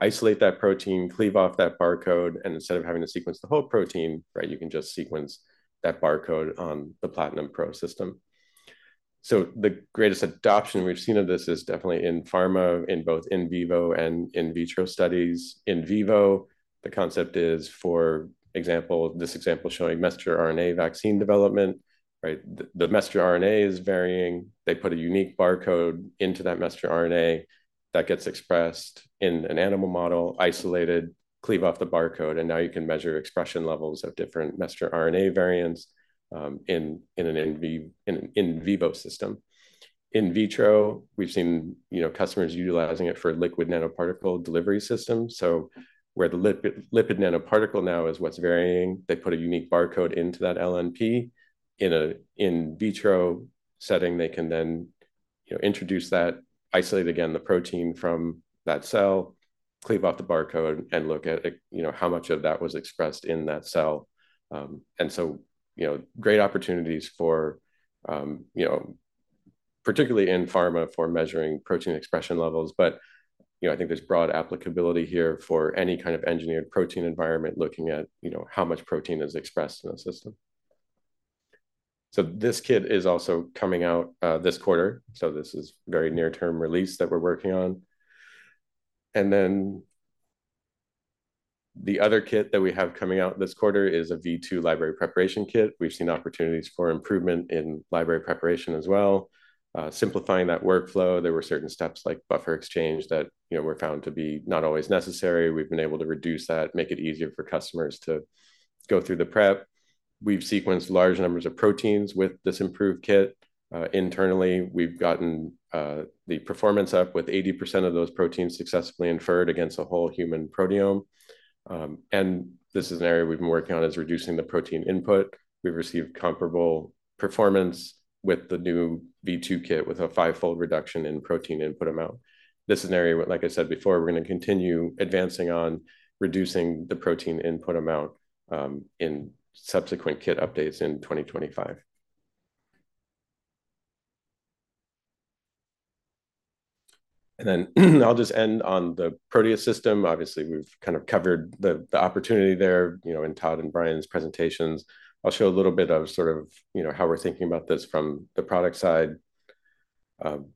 isolate that protein, cleave off that barcode, and instead of having to sequence the whole protein, right, you can just sequence that barcode on the Platinum Pro system. So the greatest adoption we've seen of this is definitely in pharma, in both in vivo and in vitro studies. In vivo, the concept is, for example, this example showing messenger RNA vaccine development, right? The messenger RNA is varying. They put a unique barcode into that messenger RNA that gets expressed in an animal model, isolated, cleave off the barcode, and now you can measure expression levels of different messenger RNA variants in an in vivo system. In vitro, we've seen customers utilizing it for lipid nanoparticle delivery systems. So where the lipid nanoparticle now is what's varying, they put a unique barcode into that LNP. In an in vitro setting, they can then introduce that, isolate again the protein from that cell, cleave off the barcode, and look at how much of that was expressed in that cell. And so great opportunities for particularly in pharma for measuring protein expression levels. But I think there's broad applicability here for any kind of engineered protein environment looking at how much protein is expressed in the system. So this kit is also coming out this quarter. So this is a very near-term release that we're working on. And then the other kit that we have coming out this quarter is a V2 library preparation kit. We've seen opportunities for improvement in library preparation as well, simplifying that workflow. There were certain steps like buffer exchange that were found to be not always necessary. We've been able to reduce that, make it easier for customers to go through the prep. We've sequenced large numbers of proteins with this improved kit. Internally, we've gotten the performance up with 80% of those proteins successfully inferred against a whole human proteome. And this is an area we've been working on is reducing the protein input. We've received comparable performance with the new V2 kit with a fivefold reduction in protein input amount. This is an area, like I said before, we're going to continue advancing on reducing the protein input amount in subsequent kit updates in 2025. And then I'll just end on the Proteus system. Obviously, we've kind of covered the opportunity there in Todd and Brian's presentations. I'll show a little bit of sort of how we're thinking about this from the product side.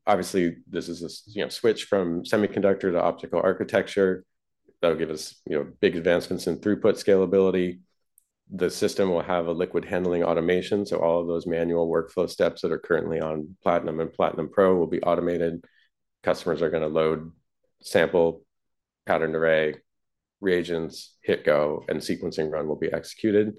Obviously, this is a switch from semiconductor to optical architecture. That'll give us big advancements in throughput scalability. The system will have a liquid handling automation. So all of those manual workflow steps that are currently on Platinum and Platinum Pro will be automated. Customers are going to load sample, pattern array, reagents, hit go, and sequencing run will be executed.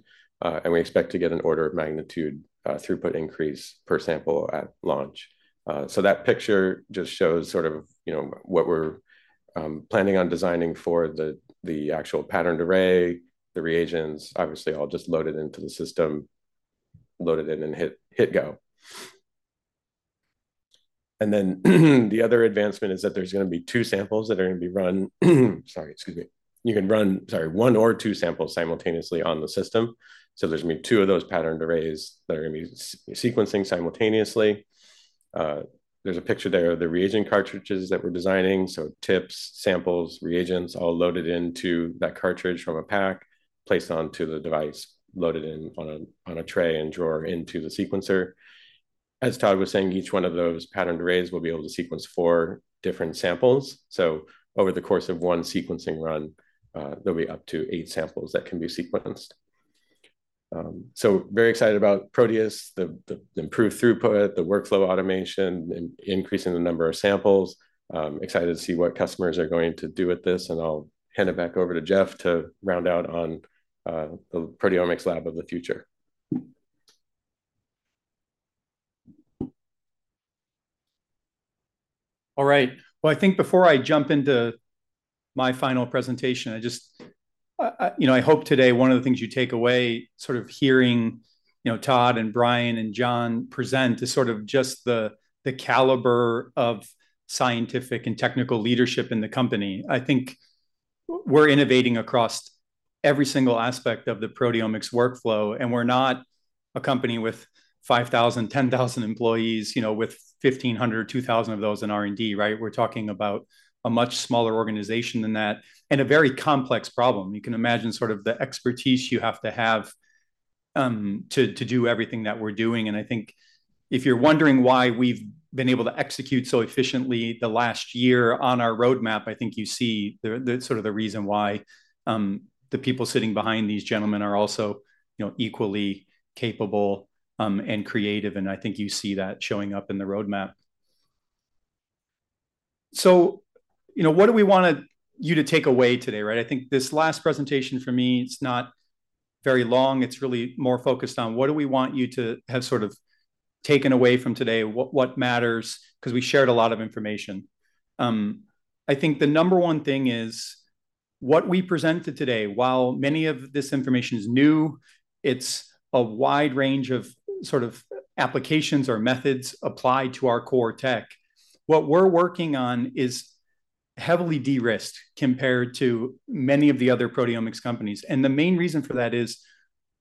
We expect to get an order of magnitude throughput increase per sample at launch. That picture just shows sort of what we're planning on designing for the actual pattern array, the reagents, obviously all just loaded into the system, loaded in and hit go. The other advancement is that there's going to be two samples that are going to be run. Sorry, excuse me. You can run, sorry, one or two samples simultaneously on the system. There's going to be two of those pattern arrays that are going to be sequencing simultaneously. There's a picture there of the reagent cartridges that we're designing. Tips, samples, reagents, all loaded into that cartridge from a pack, placed onto the device, loaded in on a tray and drawn into the sequencer. As Todd was saying, each one of those pattern arrays will be able to sequence four different samples, so over the course of one sequencing run, there'll be up to eight samples that can be sequenced, so very excited about Proteus, the improved throughput, the workflow automation, increasing the number of samples. Excited to see what customers are going to do with this, and I'll hand it back over to Jeff to round out on the proteomics lab of the future. All right. Well, I think before I jump into my final presentation, I just, you know, I hope today one of the things you take away sort of hearing Todd and Brian and John present is sort of just the caliber of scientific and technical leadership in the company. I think we're innovating across every single aspect of the proteomics workflow, and we're not a company with 5,000, 10,000 employees, with 1,500, 2,000 of those in R&D, right? We're talking about a much smaller organization than that and a very complex problem. You can imagine sort of the expertise you have to have to do everything that we're doing, and I think if you're wondering why we've been able to execute so efficiently the last year on our roadmap, I think you see sort of the reason why the people sitting behind these gentlemen are also equally capable and creative. I think you see that showing up in the roadmap. So what do we want you to take away today, right? I think this last presentation for me, it's not very long. It's really more focused on what do we want you to have sort of taken away from today, what matters, because we shared a lot of information. I think the number one thing is what we presented today, while many of this information is new, it's a wide range of sort of applications or methods applied to our core tech. What we're working on is heavily de-risked compared to many of the other proteomics companies. And the main reason for that is,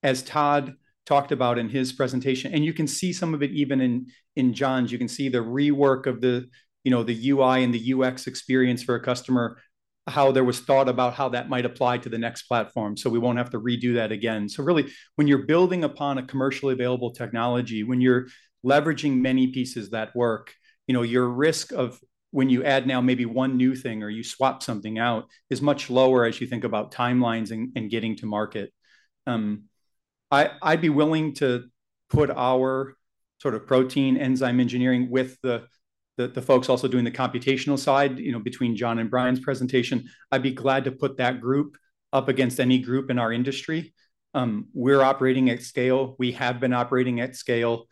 as Todd talked about in his presentation, and you can see some of it even in John's, you can see the rework of the UI and the UX experience for a customer, how there was thought about how that might apply to the next platform so we won't have to redo that again. So really, when you're building upon a commercially available technology, when you're leveraging many pieces that work, your risk of when you add now maybe one new thing or you swap something out is much lower as you think about timelines and getting to market. I'd be willing to put our sort of protein enzyme engineering with the folks also doing the computational side between John and Brian's presentation. I'd be glad to put that group up against any group in our industry. We're operating at scale. We have been operating at scale.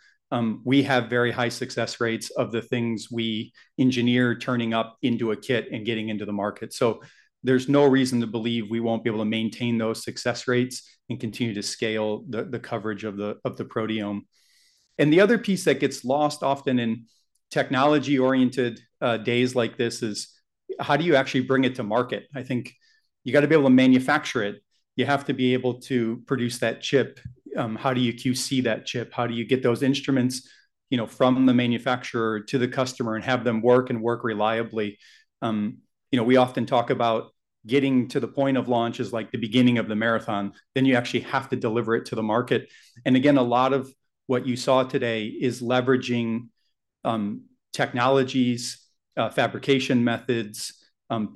We have very high success rates of the things we engineer turning up into a kit and getting into the market. So there's no reason to believe we won't be able to maintain those success rates and continue to scale the coverage of the proteome. And the other piece that gets lost often in technology-oriented days like this is how do you actually bring it to market? I think you got to be able to manufacture it. You have to be able to produce that chip. How do you QC that chip? How do you get those instruments from the manufacturer to the customer and have them work and work reliably? We often talk about getting to the point of launch is like the beginning of the marathon. Then you actually have to deliver it to the market. Again, a lot of what you saw today is leveraging technologies, fabrication methods,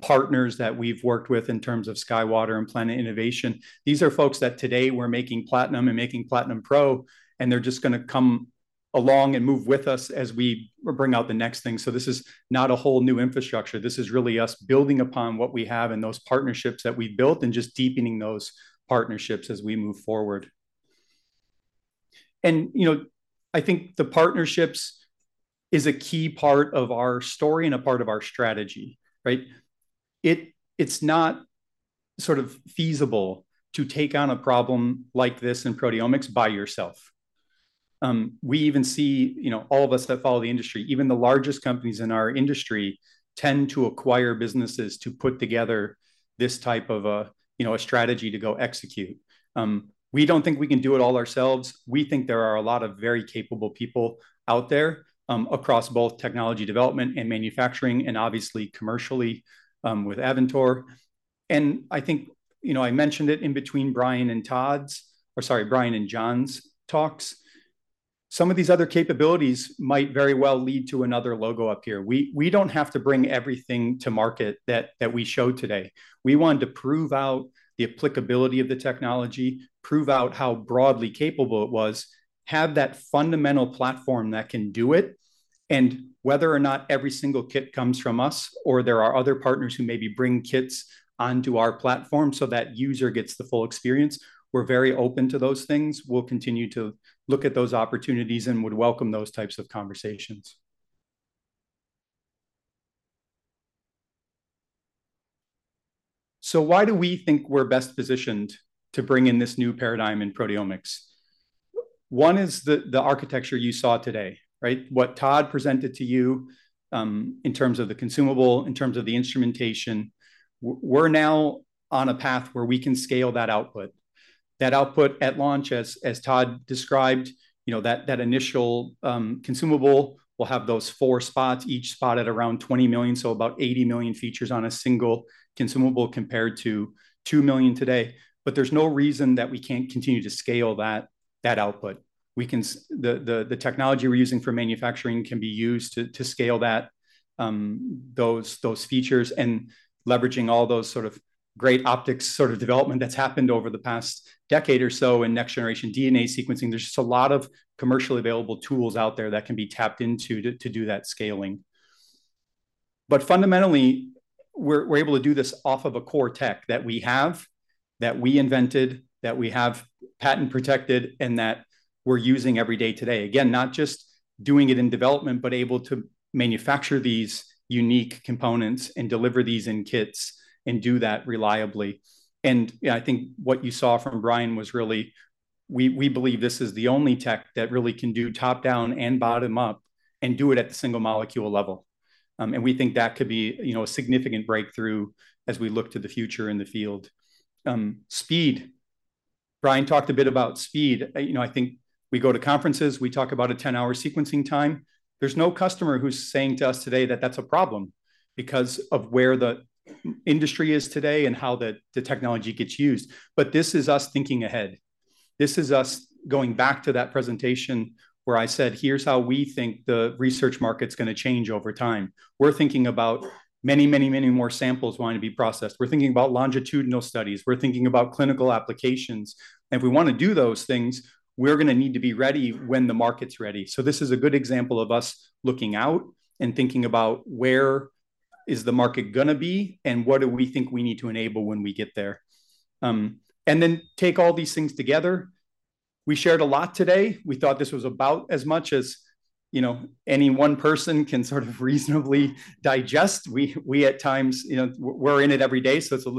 partners that we've worked with in terms of SkyWater and Planet Innovation. These are folks that today we're making Platinum and making Platinum Pro, and they're just going to come along and move with us as we bring out the next thing. This is not a whole new infrastructure. This is really us building upon what we have and those partnerships that we've built and just deepening those partnerships as we move forward. I think the partnerships is a key part of our story and a part of our strategy, right? It's not sort of feasible to take on a problem like this in proteomics by yourself. We even see all of us that follow the industry. Even the largest companies in our industry tend to acquire businesses to put together this type of a strategy to go execute. We don't think we can do it all ourselves. We think there are a lot of very capable people out there across both technology development and manufacturing and obviously commercially with Avantor. I think I mentioned it in between Brian and Todd's, or sorry, Brian and John's talks. Some of these other capabilities might very well lead to another logo up here. We don't have to bring everything to market that we showed today. We wanted to prove out the applicability of the technology, prove out how broadly capable it was, have that fundamental platform that can do it. And whether or not every single kit comes from us or there are other partners who maybe bring kits onto our platform so that user gets the full experience, we're very open to those things. We'll continue to look at those opportunities and would welcome those types of conversations. So why do we think we're best positioned to bring in this new paradigm in proteomics? One is the architecture you saw today, right? What Todd presented to you in terms of the consumable, in terms of the instrumentation, we're now on a path where we can scale that output. That output at launch, as Todd described, that initial consumable will have those four spots, each spot at around 20 million, so about 80 million features on a single consumable compared to 2 million today. But there's no reason that we can't continue to scale that output. The technology we're using for manufacturing can be used to scale those features and leveraging all those sort of great optics sort of development that's happened over the past decade or so in next-generation DNA sequencing. There's just a lot of commercially available tools out there that can be tapped into to do that scaling. But fundamentally, we're able to do this off of a core tech that we have, that we invented, that we have patent protected, and that we're using every day today. Again, not just doing it in development, but able to manufacture these unique components and deliver these in kits and do that reliably. I think what you saw from Brian was really, we believe this is the only tech that really can do top-down and bottom-up and do it at the single molecule level. We think that could be a significant breakthrough as we look to the future in the field. Speed. Brian talked a bit about speed. I think we go to conferences, we talk about a 10-hour sequencing time. There's no customer who's saying to us today that that's a problem because of where the industry is today and how the technology gets used. This is us thinking ahead. This is us going back to that presentation where I said, here's how we think the research market's going to change over time. We're thinking about many, many, many more samples wanting to be processed. We're thinking about longitudinal studies. We're thinking about clinical applications. If we want to do those things, we're going to need to be ready when the market's ready. This is a good example of us looking out and thinking about where is the market going to be and what do we think we need to enable when we get there. And then take all these things together. We shared a lot today. We thought this was about as much as any one person can sort of reasonably digest. We at times, we're in it every day, so it's a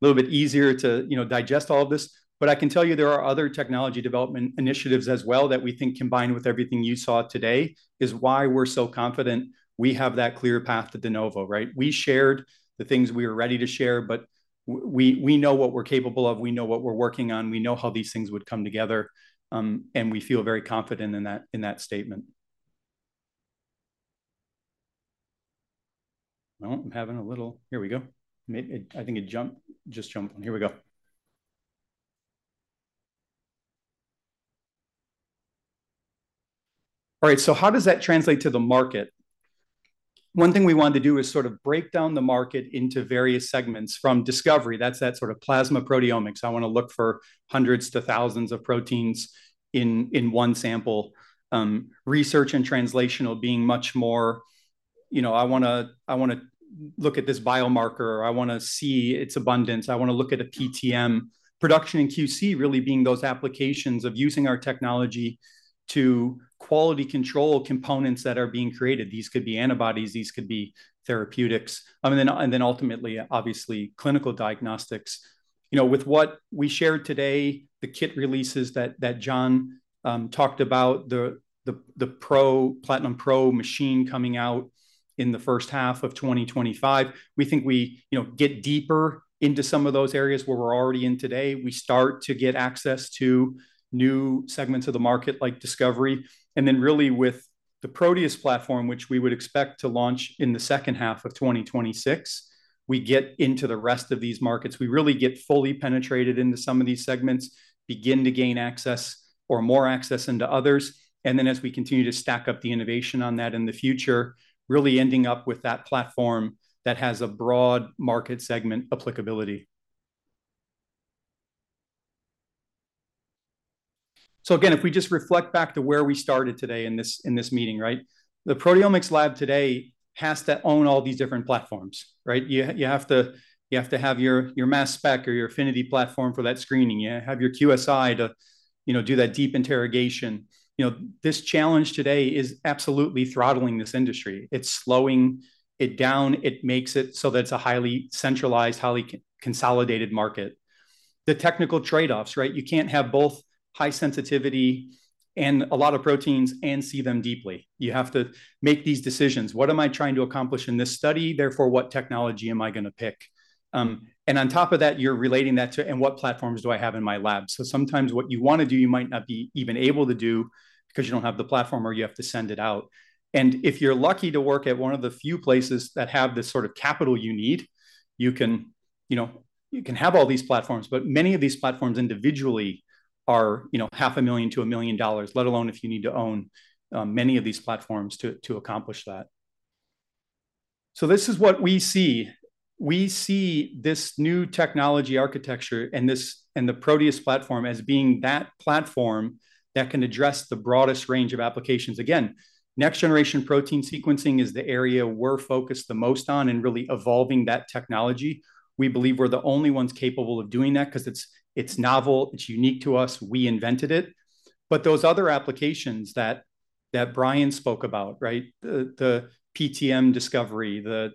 little bit easier to digest all of this. But I can tell you there are other technology development initiatives as well that we think combined with everything you saw today is why we're so confident we have that clear path to de novo, right? We shared the things we were ready to share, but we know what we're capable of. We know what we're working on. We know how these things would come together. We feel very confident in that statement. How does that translate to the market? One thing we wanted to do is sort of break down the market into various segments from discovery. That's that sort of plasma proteomics. I want to look for hundreds to thousands of proteins in one sample. Research and translational being much more. I want to look at this biomarker. I want to see its abundance. I want to look at a PTM. Production and QC really being those applications of using our technology to quality control components that are being created. These could be antibodies. These could be therapeutics. And then ultimately, obviously, clinical diagnostics. With what we shared today, the kit releases that John talked about, the Platinum Pro machine coming out in the first half of 2025, we think we get deeper into some of those areas where we're already in today. We start to get access to new segments of the market like discovery. And then really with the Proteus platform, which we would expect to launch in the second half of 2026, we get into the rest of these markets. We really get fully penetrated into some of these segments, begin to gain access or more access into others. And then as we continue to stack up the innovation on that in the future, really ending up with that platform that has a broad market segment applicability. So again, if we just reflect back to where we started today in this meeting, right? The proteomics lab today has to own all these different platforms, right? You have to have your mass spec or your affinity platform for that screening. You have your QSI to do that deep interrogation. This challenge today is absolutely throttling this industry. It's slowing it down. It makes it so that it's a highly centralized, highly consolidated market. The technical trade-offs, right? You can't have both high sensitivity and a lot of proteins and see them deeply. You have to make these decisions. What am I trying to accomplish in this study? Therefore, what technology am I going to pick? And on top of that, you're relating that to, and what platforms do I have in my lab? So sometimes what you want to do, you might not be even able to do because you don't have the platform or you have to send it out. If you're lucky to work at one of the few places that have this sort of capital you need, you can have all these platforms. Many of these platforms individually are $500,000-$1 million, let alone if you need to own many of these platforms to accomplish that. This is what we see. We see this new technology architecture and the Proteus platform as being that platform that can address the broadest range of applications. Again, next-generation protein sequencing is the area we're focused the most on and really evolving that technology. We believe we're the only ones capable of doing that because it's novel. It's unique to us. We invented it. Those other applications that Brian spoke about, right? The PTM discovery, the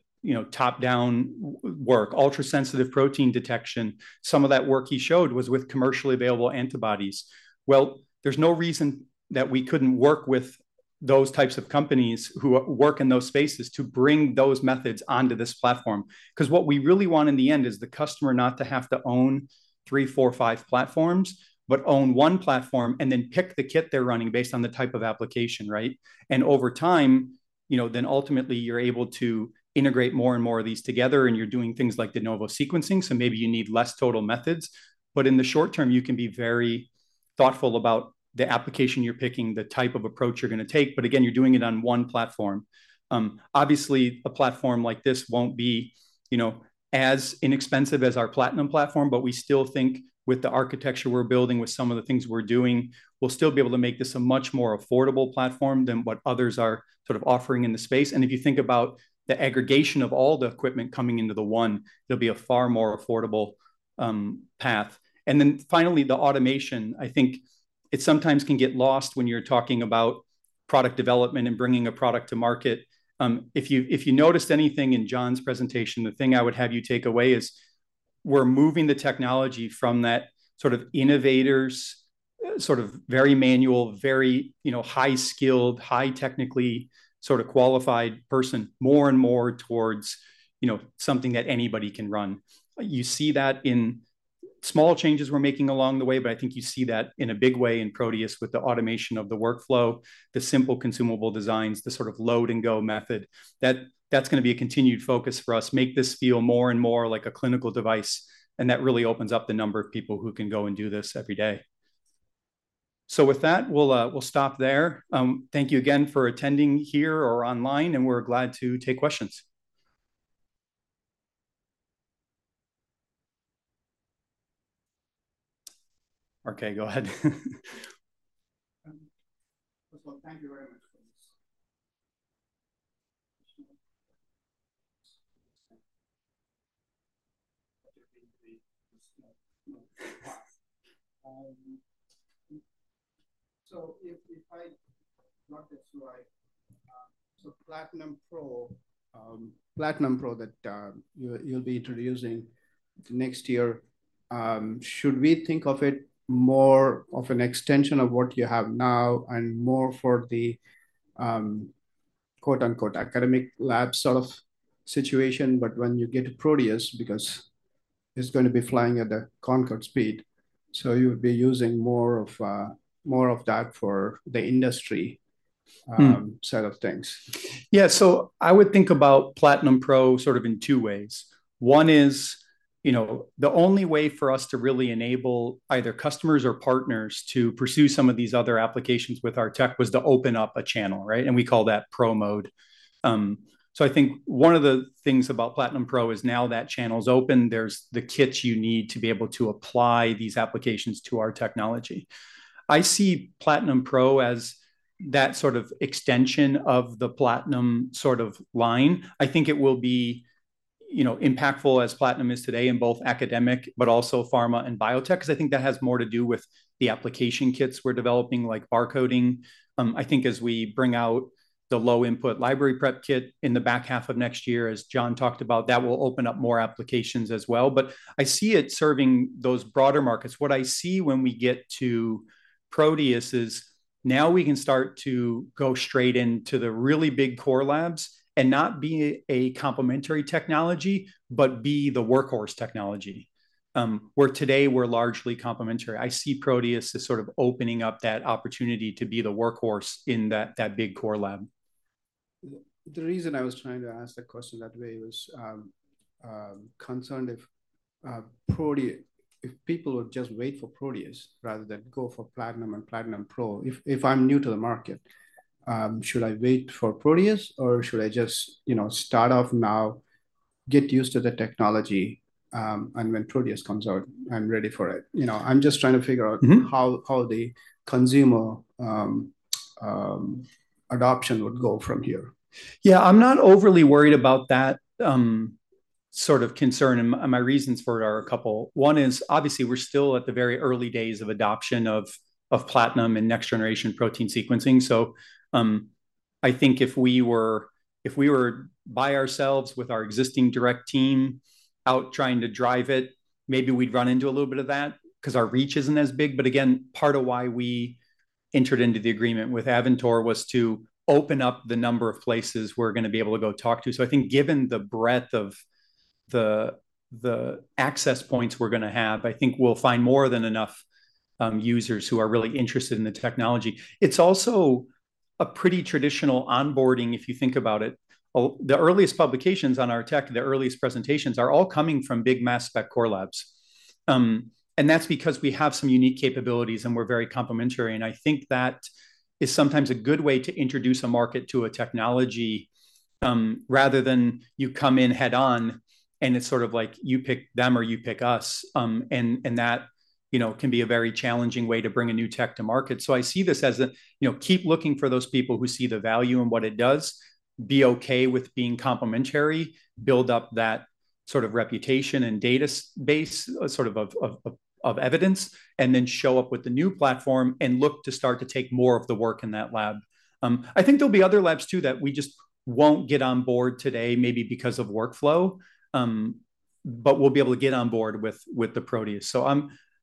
top-down work, ultrasensitive protein detection. Some of that work he showed was with commercially available antibodies. There's no reason that we couldn't work with those types of companies who work in those spaces to bring those methods onto this platform. Because what we really want in the end is the customer not to have to own three, four, five platforms, but own one platform and then pick the kit they're running based on the type of application, right? And over time, then ultimately you're able to integrate more and more of these together and you're doing things like de novo sequencing, so maybe you need less total methods. But in the short term, you can be very thoughtful about the application you're picking, the type of approach you're going to take. But again, you're doing it on one platform. Obviously, a platform like this won't be as inexpensive as our Platinum platform, but we still think with the architecture we're building, with some of the things we're doing, we'll still be able to make this a much more affordable platform than what others are sort of offering in the space, and if you think about the aggregation of all the equipment coming into the one, there'll be a far more affordable path, and then finally, the automation, I think it sometimes can get lost when you're talking about product development and bringing a product to market. If you noticed anything in John's presentation, the thing I would have you take away is we're moving the technology from that sort of innovators, sort of very manual, very high-skilled, high-technically sort of qualified person more and more towards something that anybody can run. You see that in small changes we're making along the way, but I think you see that in a big way in Proteus with the automation of the workflow, the simple consumable designs, the sort of load-and-go method. That's going to be a continued focus for us. Make this feel more and more like a clinical device, and that really opens up the number of people who can go and do this every day. With that, we'll stop there. Thank you again for attending here or online, and we're glad to take questions. Okay, go ahead. Thank you very much for this. If I got this right, Platinum Pro that you'll be introducing next year, should we think of it more of an extension of what you have now and more for the quote-unquote academic lab sort of situation, but when you get to Proteus, because it's going to be flying at a Concorde speed, you would be using more of that for the industry set of things? Yeah, I would think about Platinum Pro sort of in two ways. One is the only way for us to really enable either customers or partners to pursue some of these other applications with our tech was to open up a channel, right? And we call that Pro Mode. So, I think one of the things about Platinum Pro is now that channel's open, there's the kits you need to be able to apply these applications to our technology. I see Platinum Pro as that sort of extension of the Platinum sort of line. I think it will be impactful as Platinum is today in both academic, but also pharma and biotech, because I think that has more to do with the application kits we're developing, like barcoding. I think as we bring out the low-input library prep kit in the back half of next year, as John talked about, that will open up more applications as well. But I see it serving those broader markets. What I see when we get to Proteus is now we can start to go straight into the really big core labs and not be a complementary technology, but be the workhorse technology, where today we're largely complementary. I see Proteus as sort of opening up that opportunity to be the workhorse in that big core lab. The reason I was trying to ask the question that way was concerned if people would just wait for Proteus rather than go for Platinum and Platinum Pro. If I'm new to the market, should I wait for Proteus or should I just start off now, get used to the technology, and when Proteus comes out, I'm ready for it? I'm just trying to figure out how the consumer adoption would go from here. Yeah, I'm not overly worried about that sort of concern. My reasons for it are a couple. One is, obviously, we're still at the very early days of adoption of Platinum and next-generation protein sequencing, so I think if we were by ourselves with our existing direct team out trying to drive it, maybe we'd run into a little bit of that because our reach isn't as big, but again, part of why we entered into the agreement with Avantor was to open up the number of places we're going to be able to go talk to, so I think given the breadth of the access points we're going to have, I think we'll find more than enough users who are really interested in the technology. It's also a pretty traditional onboarding if you think about it. The earliest publications on our tech, the earliest presentations are all coming from big mass spec core labs, and that's because we have some unique capabilities and we're very complementary. I think that is sometimes a good way to introduce a market to a technology rather than you come in head-on and it's sort of like you pick them or you pick us. That can be a very challenging way to bring a new tech to market. I see this as keep looking for those people who see the value in what it does, be okay with being complementary, build up that sort of reputation and database sort of of evidence, and then show up with the new platform and look to start to take more of the work in that lab. I think there'll be other labs too that we just won't get on board today maybe because of workflow, but we'll be able to get on board with the Proteus. So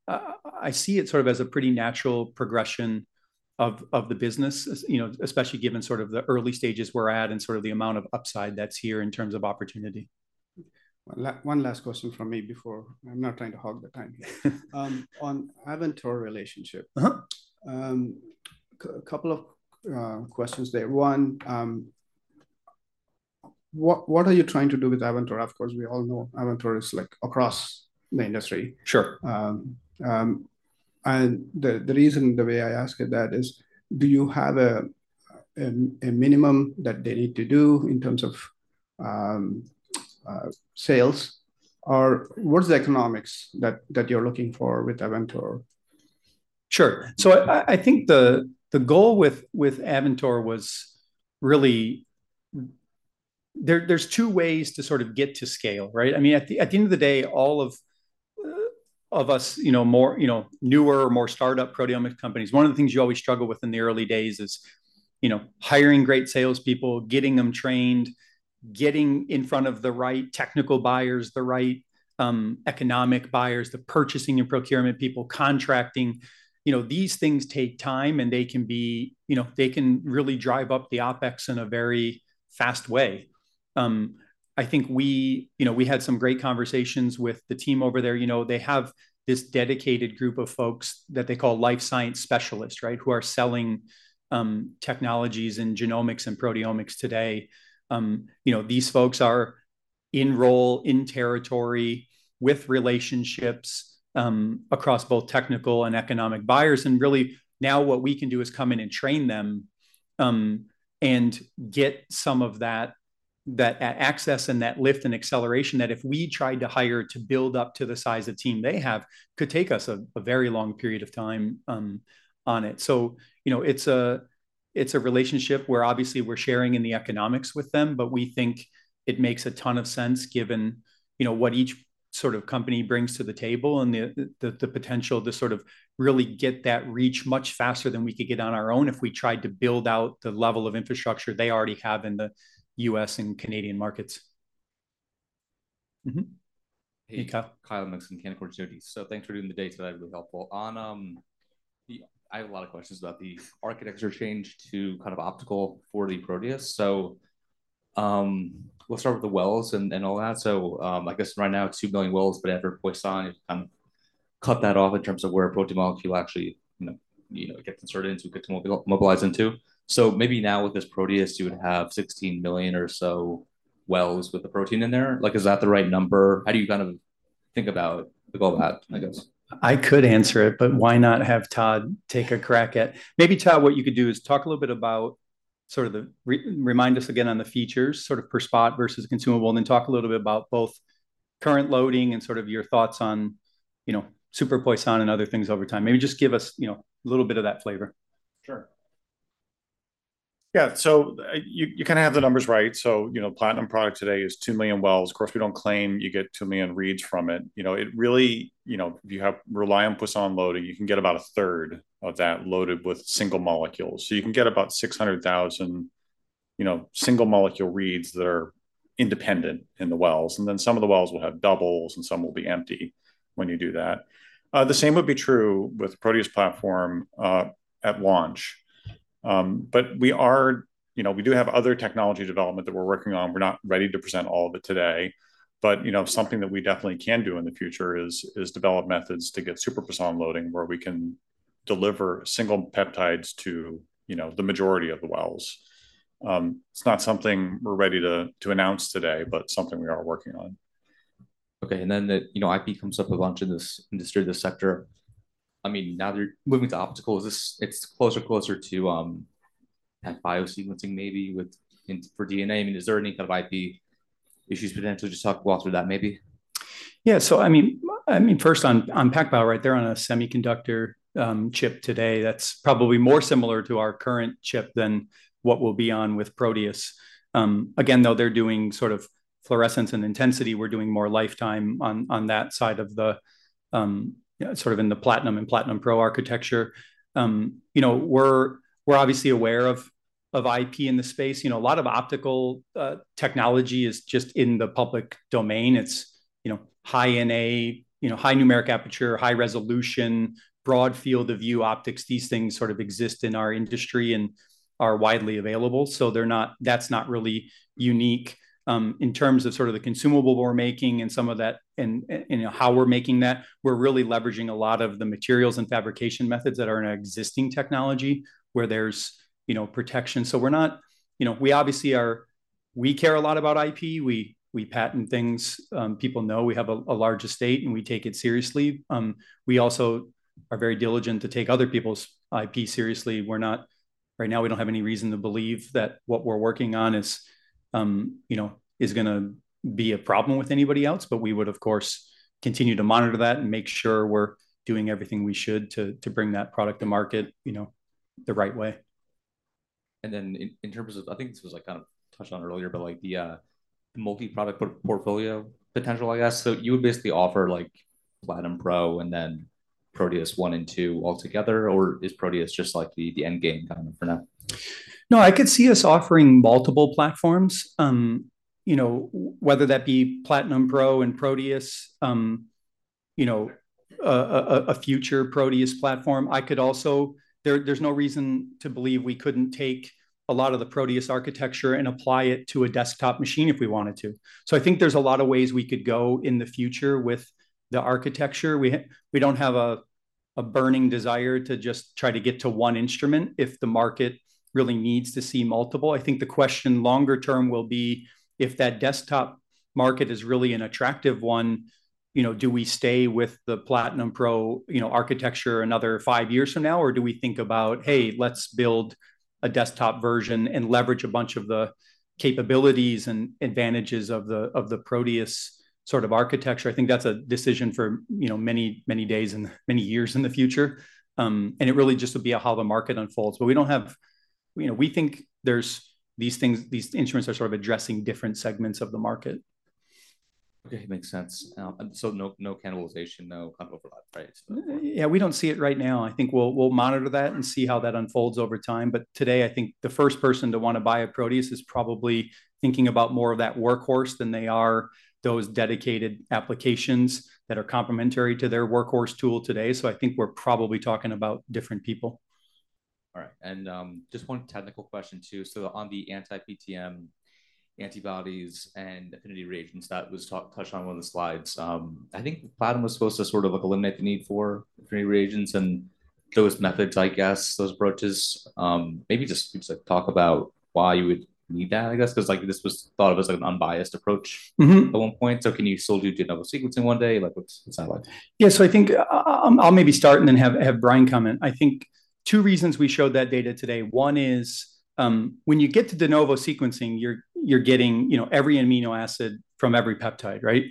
I see it sort of as a pretty natural progression of the business, especially given sort of the early stages we're at and sort of the amount of upside that's here in terms of opportunity. One last question from me before. I'm not trying to hog the time here. On Avantor relationship, a couple of questions there. One, what are you trying to do with Avantor? Of course, we all know Avantor is across the industry. Sure. And the reason the way I asked that is, do you have a minimum that they need to do in terms of sales? Or what's the economics that you're looking for with Avantor? Sure. So I think the goal with Avantor was really there's two ways to sort of get to scale, right? I mean, at the end of the day, all of us newer or more startup proteomic companies, one of the things you always struggle with in the early days is hiring great salespeople, getting them trained, getting in front of the right technical buyers, the right economic buyers, the purchasing and procurement people, contracting. These things take time and they can really drive up the OpEx in a very fast way. I think we had some great conversations with the team over there. They have this dedicated group of folks that they call life science specialists, right, who are selling technologies and genomics and proteomics today. These folks are in role, in territory, with relationships across both technical and economic buyers. Really, now what we can do is come in and train them and get some of that access and that lift and acceleration that if we tried to hire to build up to the size of team they have could take us a very long period of time on it. It's a relationship where obviously we're sharing in the economics with them, but we think it makes a ton of sense given what each sort of company brings to the table and the potential to sort of really get that reach much faster than we could get on our own if we tried to build out the level of infrastructure they already have in the U.S. and Canadian markets. Kyle Mikson, Canaccord Genuity. Thanks for doing the data that will be helpful. I have a lot of questions about the architecture change to kind of optical for the Proteus. So we'll start with the wells and all that. So I guess right now, 2 million wells, but after Poisson, you've kind of cut that off in terms of where protein molecule actually gets inserted into, gets mobilized into. So maybe now with this Proteus, you would have 16 million or so wells with the protein in there. Is that the right number? How do you kind of think about all that, I guess? I could answer it, but why not have Todd take a crack at maybe Todd. What you could do is talk a little bit about sort of, remind us again on the features sort of per spot versus consumable, and then talk a little bit about both current loading and sort of your thoughts on super Poisson and other things over time. Maybe just give us a little bit of that flavor. Sure. Yeah. So you kind of have the numbers right. So Platinum product today is 2 million wells. Of course, we don't claim you get 2 million reads from it. It really, if you rely on Poisson loading, you can get about a third of that loaded with single molecules. So you can get about 600,000 single molecule reads that are independent in the wells. And then some of the wells will have doubles and some will be empty when you do that. The same would be true with Proteus platform at launch. But we do have other technology development that we're working on. We're not ready to present all of it today. But something that we definitely can do in the future is develop methods to get Super Poisson loading where we can deliver single peptides to the majority of the wells. It's not something we're ready to announce today, but something we are working on. Okay. And then IP comes up a bunch in this industry, this sector. I mean, now they're moving to optical. It's closer and closer to biosequencing maybe for DNA. I mean, is there any kind of IP issues potentially to talk about through that maybe? Yeah. So I mean, first on PacBio right there on a semiconductor chip today, that's probably more similar to our current chip than what we'll be on with Proteus. Again, though, they're doing sort of fluorescence and intensity. We're doing more lifetime on that side of the sort of in the Platinum and Platinum Pro architecture. We're obviously aware of IP in the space. A lot of optical technology is just in the public domain. It's high NA, high numerical aperture, high resolution, broad field of view optics. These things sort of exist in our industry and are widely available. So that's not really unique in terms of sort of the consumable we're making and some of that and how we're making that. We're really leveraging a lot of the materials and fabrication methods that are in our existing technology where there's protection. So we obviously care a lot about IP. We patent things. People know we have a large estate and we take it seriously. We also are very diligent to take other people's IP seriously. Right now, we don't have any reason to believe that what we're working on is going to be a problem with anybody else, but we would, of course, continue to monitor that and make sure we're doing everything we should to bring that product to market the right way. And then in terms of, I think this was kind of touched on earlier, but the multi-product portfolio potential, I guess. So you would basically offer Platinum Pro and then Proteus 1 and 2 altogether, or is Proteus just the end game kind of for now? No, I could see us offering multiple platforms, whether that be Platinum Pro and Proteus, a future Proteus platform. There's no reason to believe we couldn't take a lot of the Proteus architecture and apply it to a desktop machine if we wanted to. So I think there's a lot of ways we could go in the future with the architecture. We don't have a burning desire to just try to get to one instrument if the market really needs to see multiple. I think the question longer term will be if that desktop market is really an attractive one, do we stay with the Platinum Pro architecture another five years from now, or do we think about, hey, let's build a desktop version and leverage a bunch of the capabilities and advantages of the Proteus sort of architecture? I think that's a decision for many, many days and many years in the future, and it really just would be how the market unfolds. But we don't. We think these instruments are sort of addressing different segments of the market. Okay. Makes sense. So no cannibalization, no kind of overlap, right? Yeah, we don't see it right now. I think we'll monitor that and see how that unfolds over time. But today, I think the first person to want to buy a Proteus is probably thinking about more of that workhorse than they are those dedicated applications that are complementary to their workhorse tool today. So I think we're probably talking about different people. All right. And just one technical question too. So on the anti-PTM antibodies and affinity reagents that was touched on one of the slides, I think Platinum was supposed to sort of eliminate the need for affinity reagents and those methods, I guess, those approaches. Maybe just talk about why you would need that, I guess, because this was thought of as an unbiased approach at one point. So can you still do de novo sequencing one day? What's that like? Yeah. So I think I'll maybe start and then have Brian come in. I think two reasons we showed that data today. One is when you get to de novo sequencing, you're getting every amino acid from every peptide, right?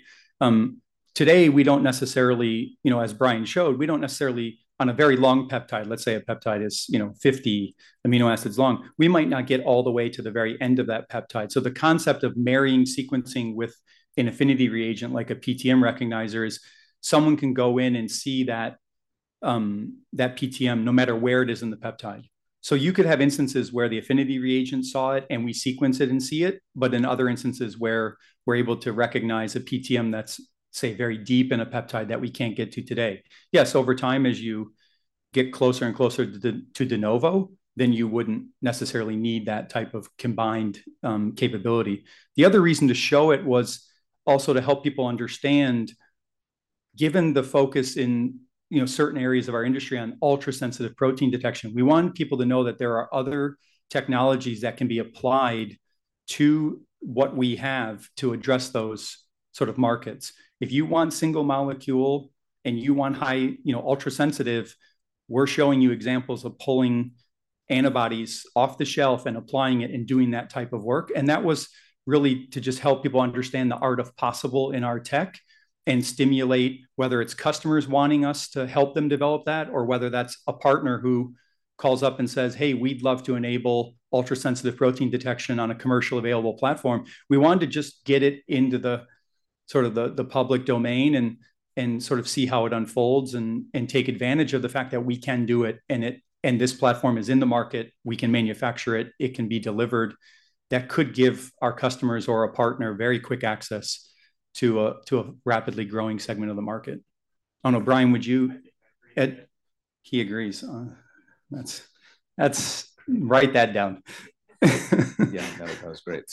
Today, we don't necessarily, as Brian showed, we don't necessarily on a very long peptide, let's say a peptide is 50 amino acids long, we might not get all the way to the very end of that peptide. So the concept of marrying sequencing with an affinity reagent like a PTM recognizer is someone can go in and see that PTM no matter where it is in the peptide. So you could have instances where the affinity reagent saw it and we sequence it and see it, but in other instances where we're able to recognize a PTM that's, say, very deep in a peptide that we can't get to today. Yes, over time, as you get closer and closer to de novo, then you wouldn't necessarily need that type of combined capability. The other reason to show it was also to help people understand, given the focus in certain areas of our industry on ultra-sensitive protein detection, we want people to know that there are other technologies that can be applied to what we have to address those sort of markets. If you want single molecule and you want high ultra-sensitive, we're showing you examples of pulling antibodies off the shelf and applying it and doing that type of work. That was really to just help people understand the art of possible in our tech and stimulate whether it's customers wanting us to help them develop that or whether that's a partner who calls up and says, "Hey, we'd love to enable ultra-sensitive protein detection on a commercially available platform." We wanted to just get it into the sort of the public domain and sort of see how it unfolds and take advantage of the fact that we can do it and this platform is in the market, we can manufacture it, it can be delivered. That could give our customers or a partner very quick access to a rapidly growing segment of the market. I don't know, Brian. Would you? He agrees. Write that down. Yeah, that was great.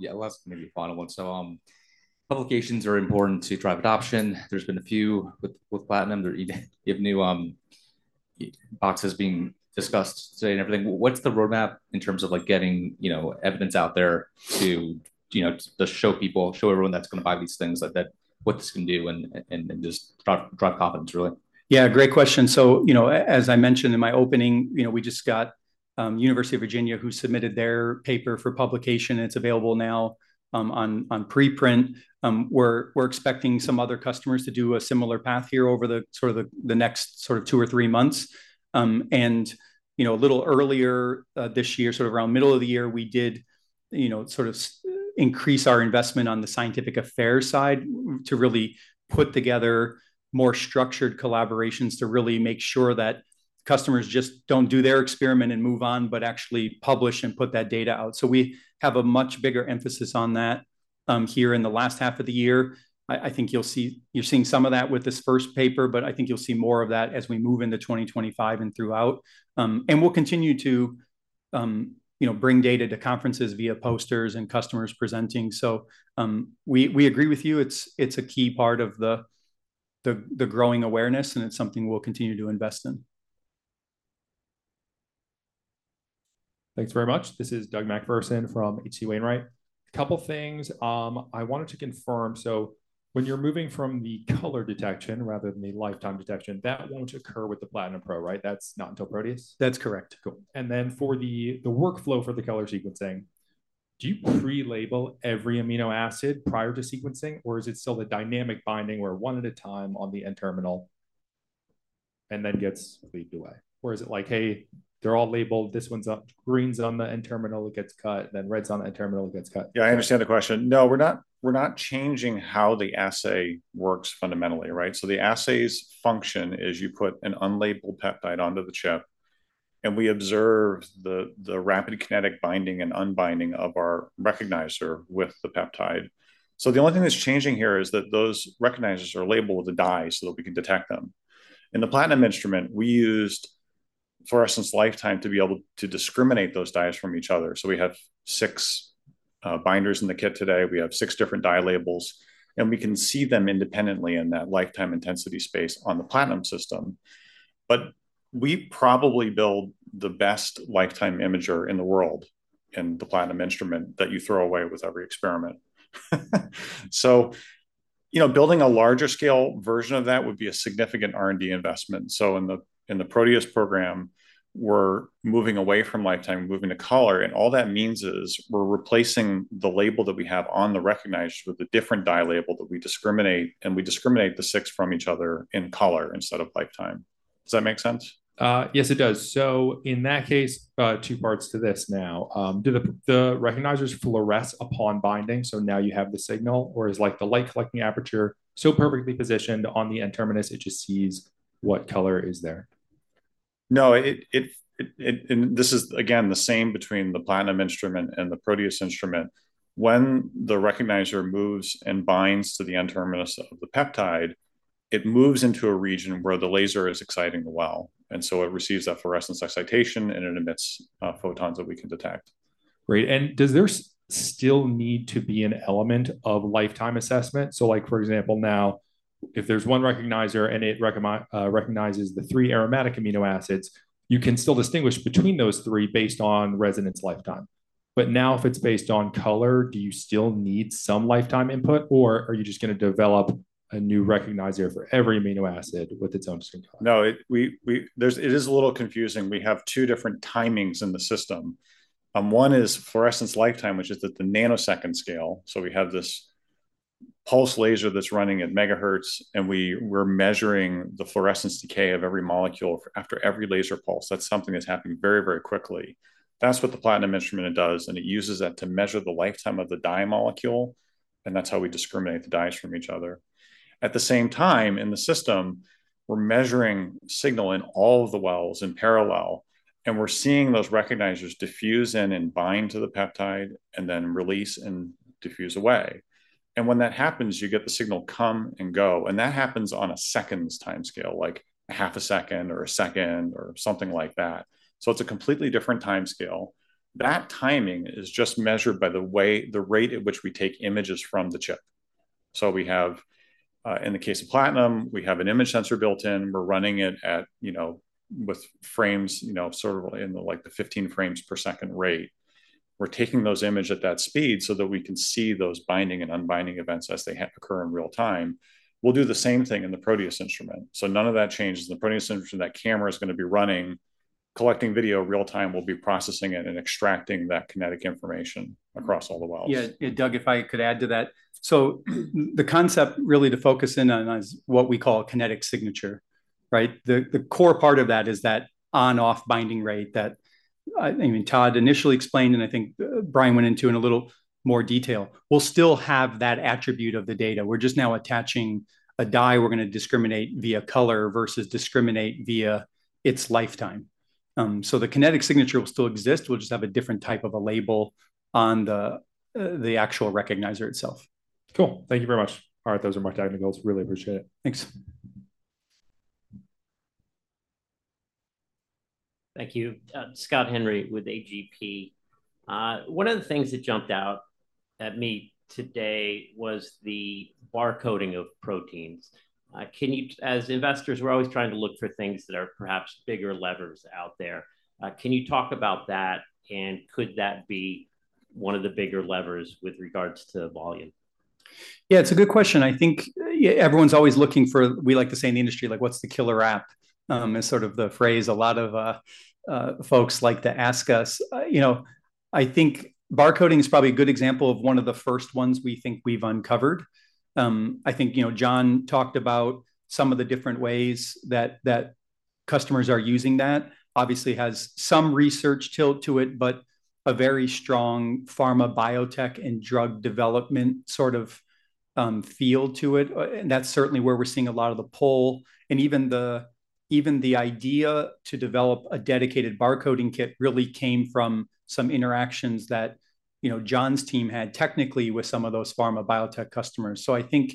Yeah, last maybe final one. Publications are important to drive adoption. There's been a few with Platinum. There are even new boxes being discussed today and everything. What's the roadmap in terms of getting evidence out there to show people, show everyone that's going to buy these things, what this can do and just drive confidence, really? Yeah, great question, so as I mentioned in my opening, we just got University of Virginia who submitted their paper for publication. It's available now on preprint. We're expecting some other customers to do a similar path here over the sort of the next sort of two or three months, and a little earlier this year, sort of around middle of the year, we did sort of increase our investment on the scientific affairs side to really put together more structured collaborations to really make sure that customers just don't do their experiment and move on, but actually publish and put that data out. So we have a much bigger emphasis on that here in the last half of the year. I think you're seeing some of that with this first paper, but I think you'll see more of that as we move into 2025 and throughout. And we'll continue to bring data to conferences via posters and customers presenting. So we agree with you. It's a key part of the growing awareness, and it's something we'll continue to invest in. Thanks very much. This is Doug McPherson from H.C. Wainwright. A couple of things I wanted to confirm. So when you're moving from the color detection rather than the lifetime detection, that won't occur with the Platinum Pro, right? That's not until Proteus? That's correct. Cool. Then for the workflow for the color sequencing, do you pre-label every amino acid prior to sequencing, or is it still the dynamic binding where one at a time on the N-terminal and then gets cleaved away? Or is it like, "Hey, they're all labeled. This one's green on the N-terminal, it gets cut. Then red on the N-terminal, it gets cut." Yeah, I understand the question. No, we're not changing how the assay works fundamentally, right? So the assay's function is you put an unlabeled peptide onto the chip, and we observe the rapid kinetic binding and unbinding of our recognizer with the peptide. So the only thing that's changing here is that those recognizers are labeled with a dye so that we can detect them. In the Platinum instrument, we used fluorescence lifetime to be able to discriminate those dyes from each other. So we have six binders in the kit today. We have six different dye labels, and we can see them independently in that lifetime intensity space on the Platinum system. But we probably build the best lifetime imager in the world in the Platinum instrument that you throw away with every experiment. So building a larger scale version of that would be a significant R&D investment. So in the Proteus program, we're moving away from lifetime, moving to color. And all that means is we're replacing the label that we have on the recognizer with a different dye label that we discriminate, and we discriminate the six from each other in color instead of lifetime. Does that make sense? Yes, it does. So in that case, two parts to this now. Do the recognizers fluoresce upon binding? So now you have the signal, or is the light collecting aperture so perfectly positioned on the N-terminus it just sees what color is there? No, and this is, again, the same between the Platinum instrument and the Proteus instrument. When the recognizer moves and binds to the N-terminus of the peptide, it moves into a region where the laser is exciting the well. And so it receives that fluorescence excitation, and it emits photons that we can detect. Great. And does there still need to be an element of lifetime assessment? So for example, now, if there's one recognizer and it recognizes the three aromatic amino acids, you can still distinguish between those three based on fluorescence lifetime. But now, if it's based on color, do you still need some lifetime input, or are you just going to develop a new recognizer for every amino acid with its own distinct color? No, it is a little confusing. We have two different timings in the system. One is fluorescence lifetime, which is at the nanosecond scale. So we have this pulse laser that's running at megahertz, and we're measuring the fluorescence decay of every molecule after every laser pulse. That's something that's happening very, very quickly. That's what the Platinum instrument does, and it uses that to measure the lifetime of the dye molecule, and that's how we discriminate the dyes from each other. At the same time, in the system, we're measuring signal in all of the wells in parallel, and we're seeing those recognizers diffuse in and bind to the peptide and then release and diffuse away. And when that happens, you get the signal come and go. And that happens on a seconds timescale, like a half a second or a second or something like that. So it's a completely different timescale. That timing is just measured by the rate at which we take images from the chip. So in the case of Platinum, we have an image sensor built in. We're running it with frames sort of in the 15 frames per second rate. We're taking those images at that speed so that we can see those binding and unbinding events as they occur in real time. We'll do the same thing in the Proteus instrument. So none of that changes. In the Proteus instrument, that camera is going to be running, collecting video real time, will be processing it and extracting that kinetic information across all the wells. Yeah, Doug, if I could add to that. So the concept really to focus in on is what we call a kinetic signature, right? The core part of that is that on-off binding rate that, I mean, Todd initially explained, and I think Brian went into it in a little more detail. We'll still have that attribute of the data. We're just now attaching a dye, we're going to discriminate via color versus discriminate via its lifetime. So the kinetic signature will still exist. We'll just have a different type of a label on the actual recognizer itself. Cool. Thank you very much. All right, those are my technicals. Really appreciate it. Thanks. Thank you. Scott Henry with AGP. One of the things that jumped out at me today was the barcoding of proteins. As investors, we're always trying to look for things that are perhaps bigger levers out there. Can you talk about that, and could that be one of the bigger levers with regards to volume? Yeah, it's a good question. I think everyone's always looking for, we like to say in the industry, what's the killer app is sort of the phrase a lot of folks like to ask us. I think barcoding is probably a good example of one of the first ones we think we've uncovered. I think John talked about some of the different ways that customers are using that. Obviously, it has some research tilt to it, but a very strong pharma biotech and drug development sort of field to it. And that's certainly where we're seeing a lot of the pull. And even the idea to develop a dedicated barcoding kit really came from some interactions that John's team had technically with some of those pharma biotech customers. So I think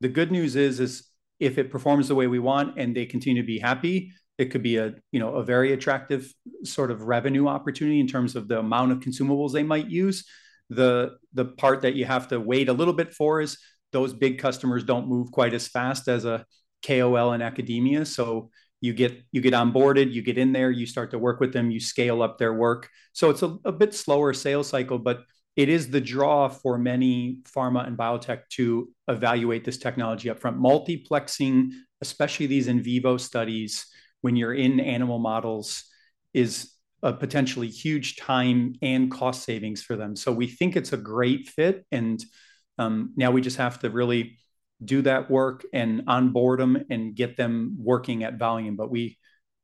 the good news is, if it performs the way we want and they continue to be happy, it could be a very attractive sort of revenue opportunity in terms of the amount of consumables they might use. The part that you have to wait a little bit for is those big customers don't move quite as fast as a KOL in academia. So you get onboarded, you get in there, you start to work with them, you scale up their work. So it's a bit slower sales cycle, but it is the draw for many pharma and biotech to evaluate this technology upfront. Multiplexing, especially these in vivo studies when you're in animal models, is a potentially huge time and cost savings for them. So we think it's a great fit. And now we just have to really do that work and onboard them and get them working at volume. But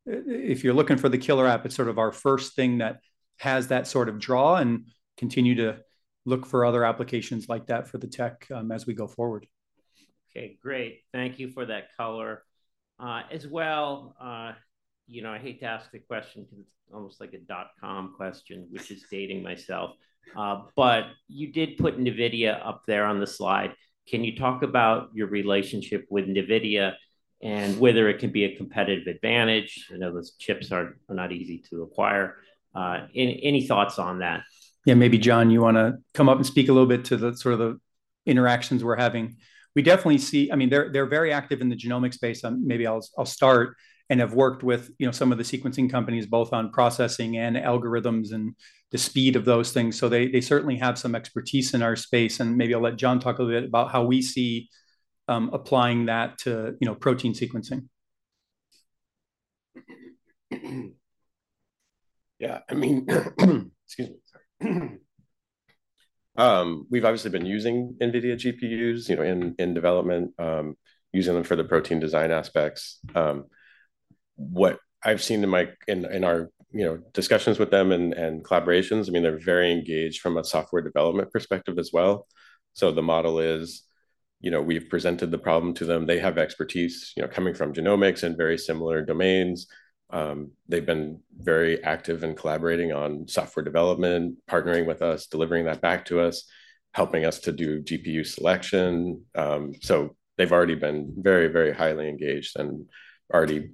if you're looking for the killer app, it's sort of our first thing that has that sort of draw and continue to look for other applications like that for the tech as we go forward. Okay, great. Thank you for that color. As well, I hate to ask the question because it's almost like a dot-com question, which is dating myself. But you did put NVIDIA up there on the slide. Can you talk about your relationship with NVIDIA and whether it can be a competitive advantage? I know those chips are not easy to acquire. Any thoughts on that? Yeah, maybe John, you want to come up and speak a little bit to the sort of interactions we're having. We definitely see, I mean, they're very active in the genomic space. Maybe I'll start and have worked with some of the sequencing companies, both on processing and algorithms and the speed of those things, so they certainly have some expertise in our space, and maybe I'll let John talk a little bit about how we see applying that to protein sequencing. Yeah, I mean, excuse me. We've obviously been using NVIDIA GPUs in development, using them for the protein design aspects. What I've seen in our discussions with them and collaborations, I mean, they're very engaged from a software development perspective as well, so the model is we've presented the problem to them. They have expertise coming from genomics and very similar domains. They've been very active in collaborating on software development, partnering with us, delivering that back to us, helping us to do GPU selection. So they've already been very, very highly engaged and already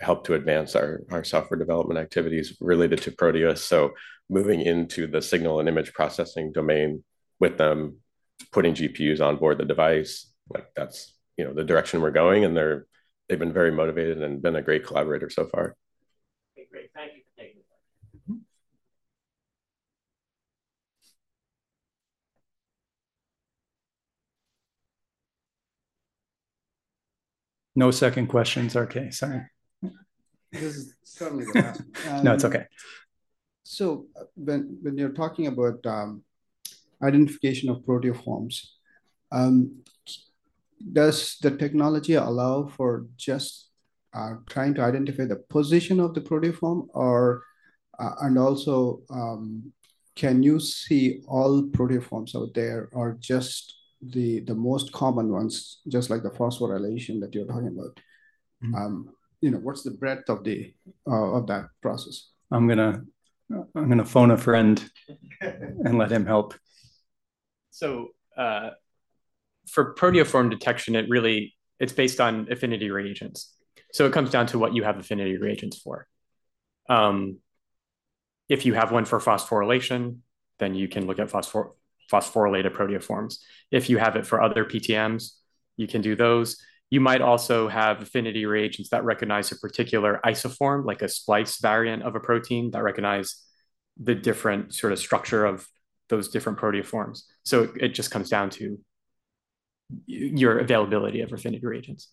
helped to advance our software development activities related to Proteus. So moving into the signal and image processing domain with them, putting GPUs onboard the device, that's the direction we're going. And they've been very motivated and been a great collaborator so far. No second questions, okay? Sorry. This is certainly the last. No, it's okay. So when you're talking about identification of proteoforms, does the technology allow for just trying to identify the position of the proteoform? And also, can you see all proteoforms out there or just the most common ones, just like the phosphorylation that you're talking about? What's the breadth of that process? I'm going to phone a friend and let him help. So for proteoform detection, it's based on affinity reagents. It comes down to what you have affinity reagents for. If you have one for phosphorylation, then you can look at phosphorylated proteoforms. If you have it for other PTMs, you can do those. You might also have affinity reagents that recognize a particular isoform, like a splice variant of a protein that recognizes the different sort of structure of those different proteoforms. It just comes down to your availability of affinity reagents.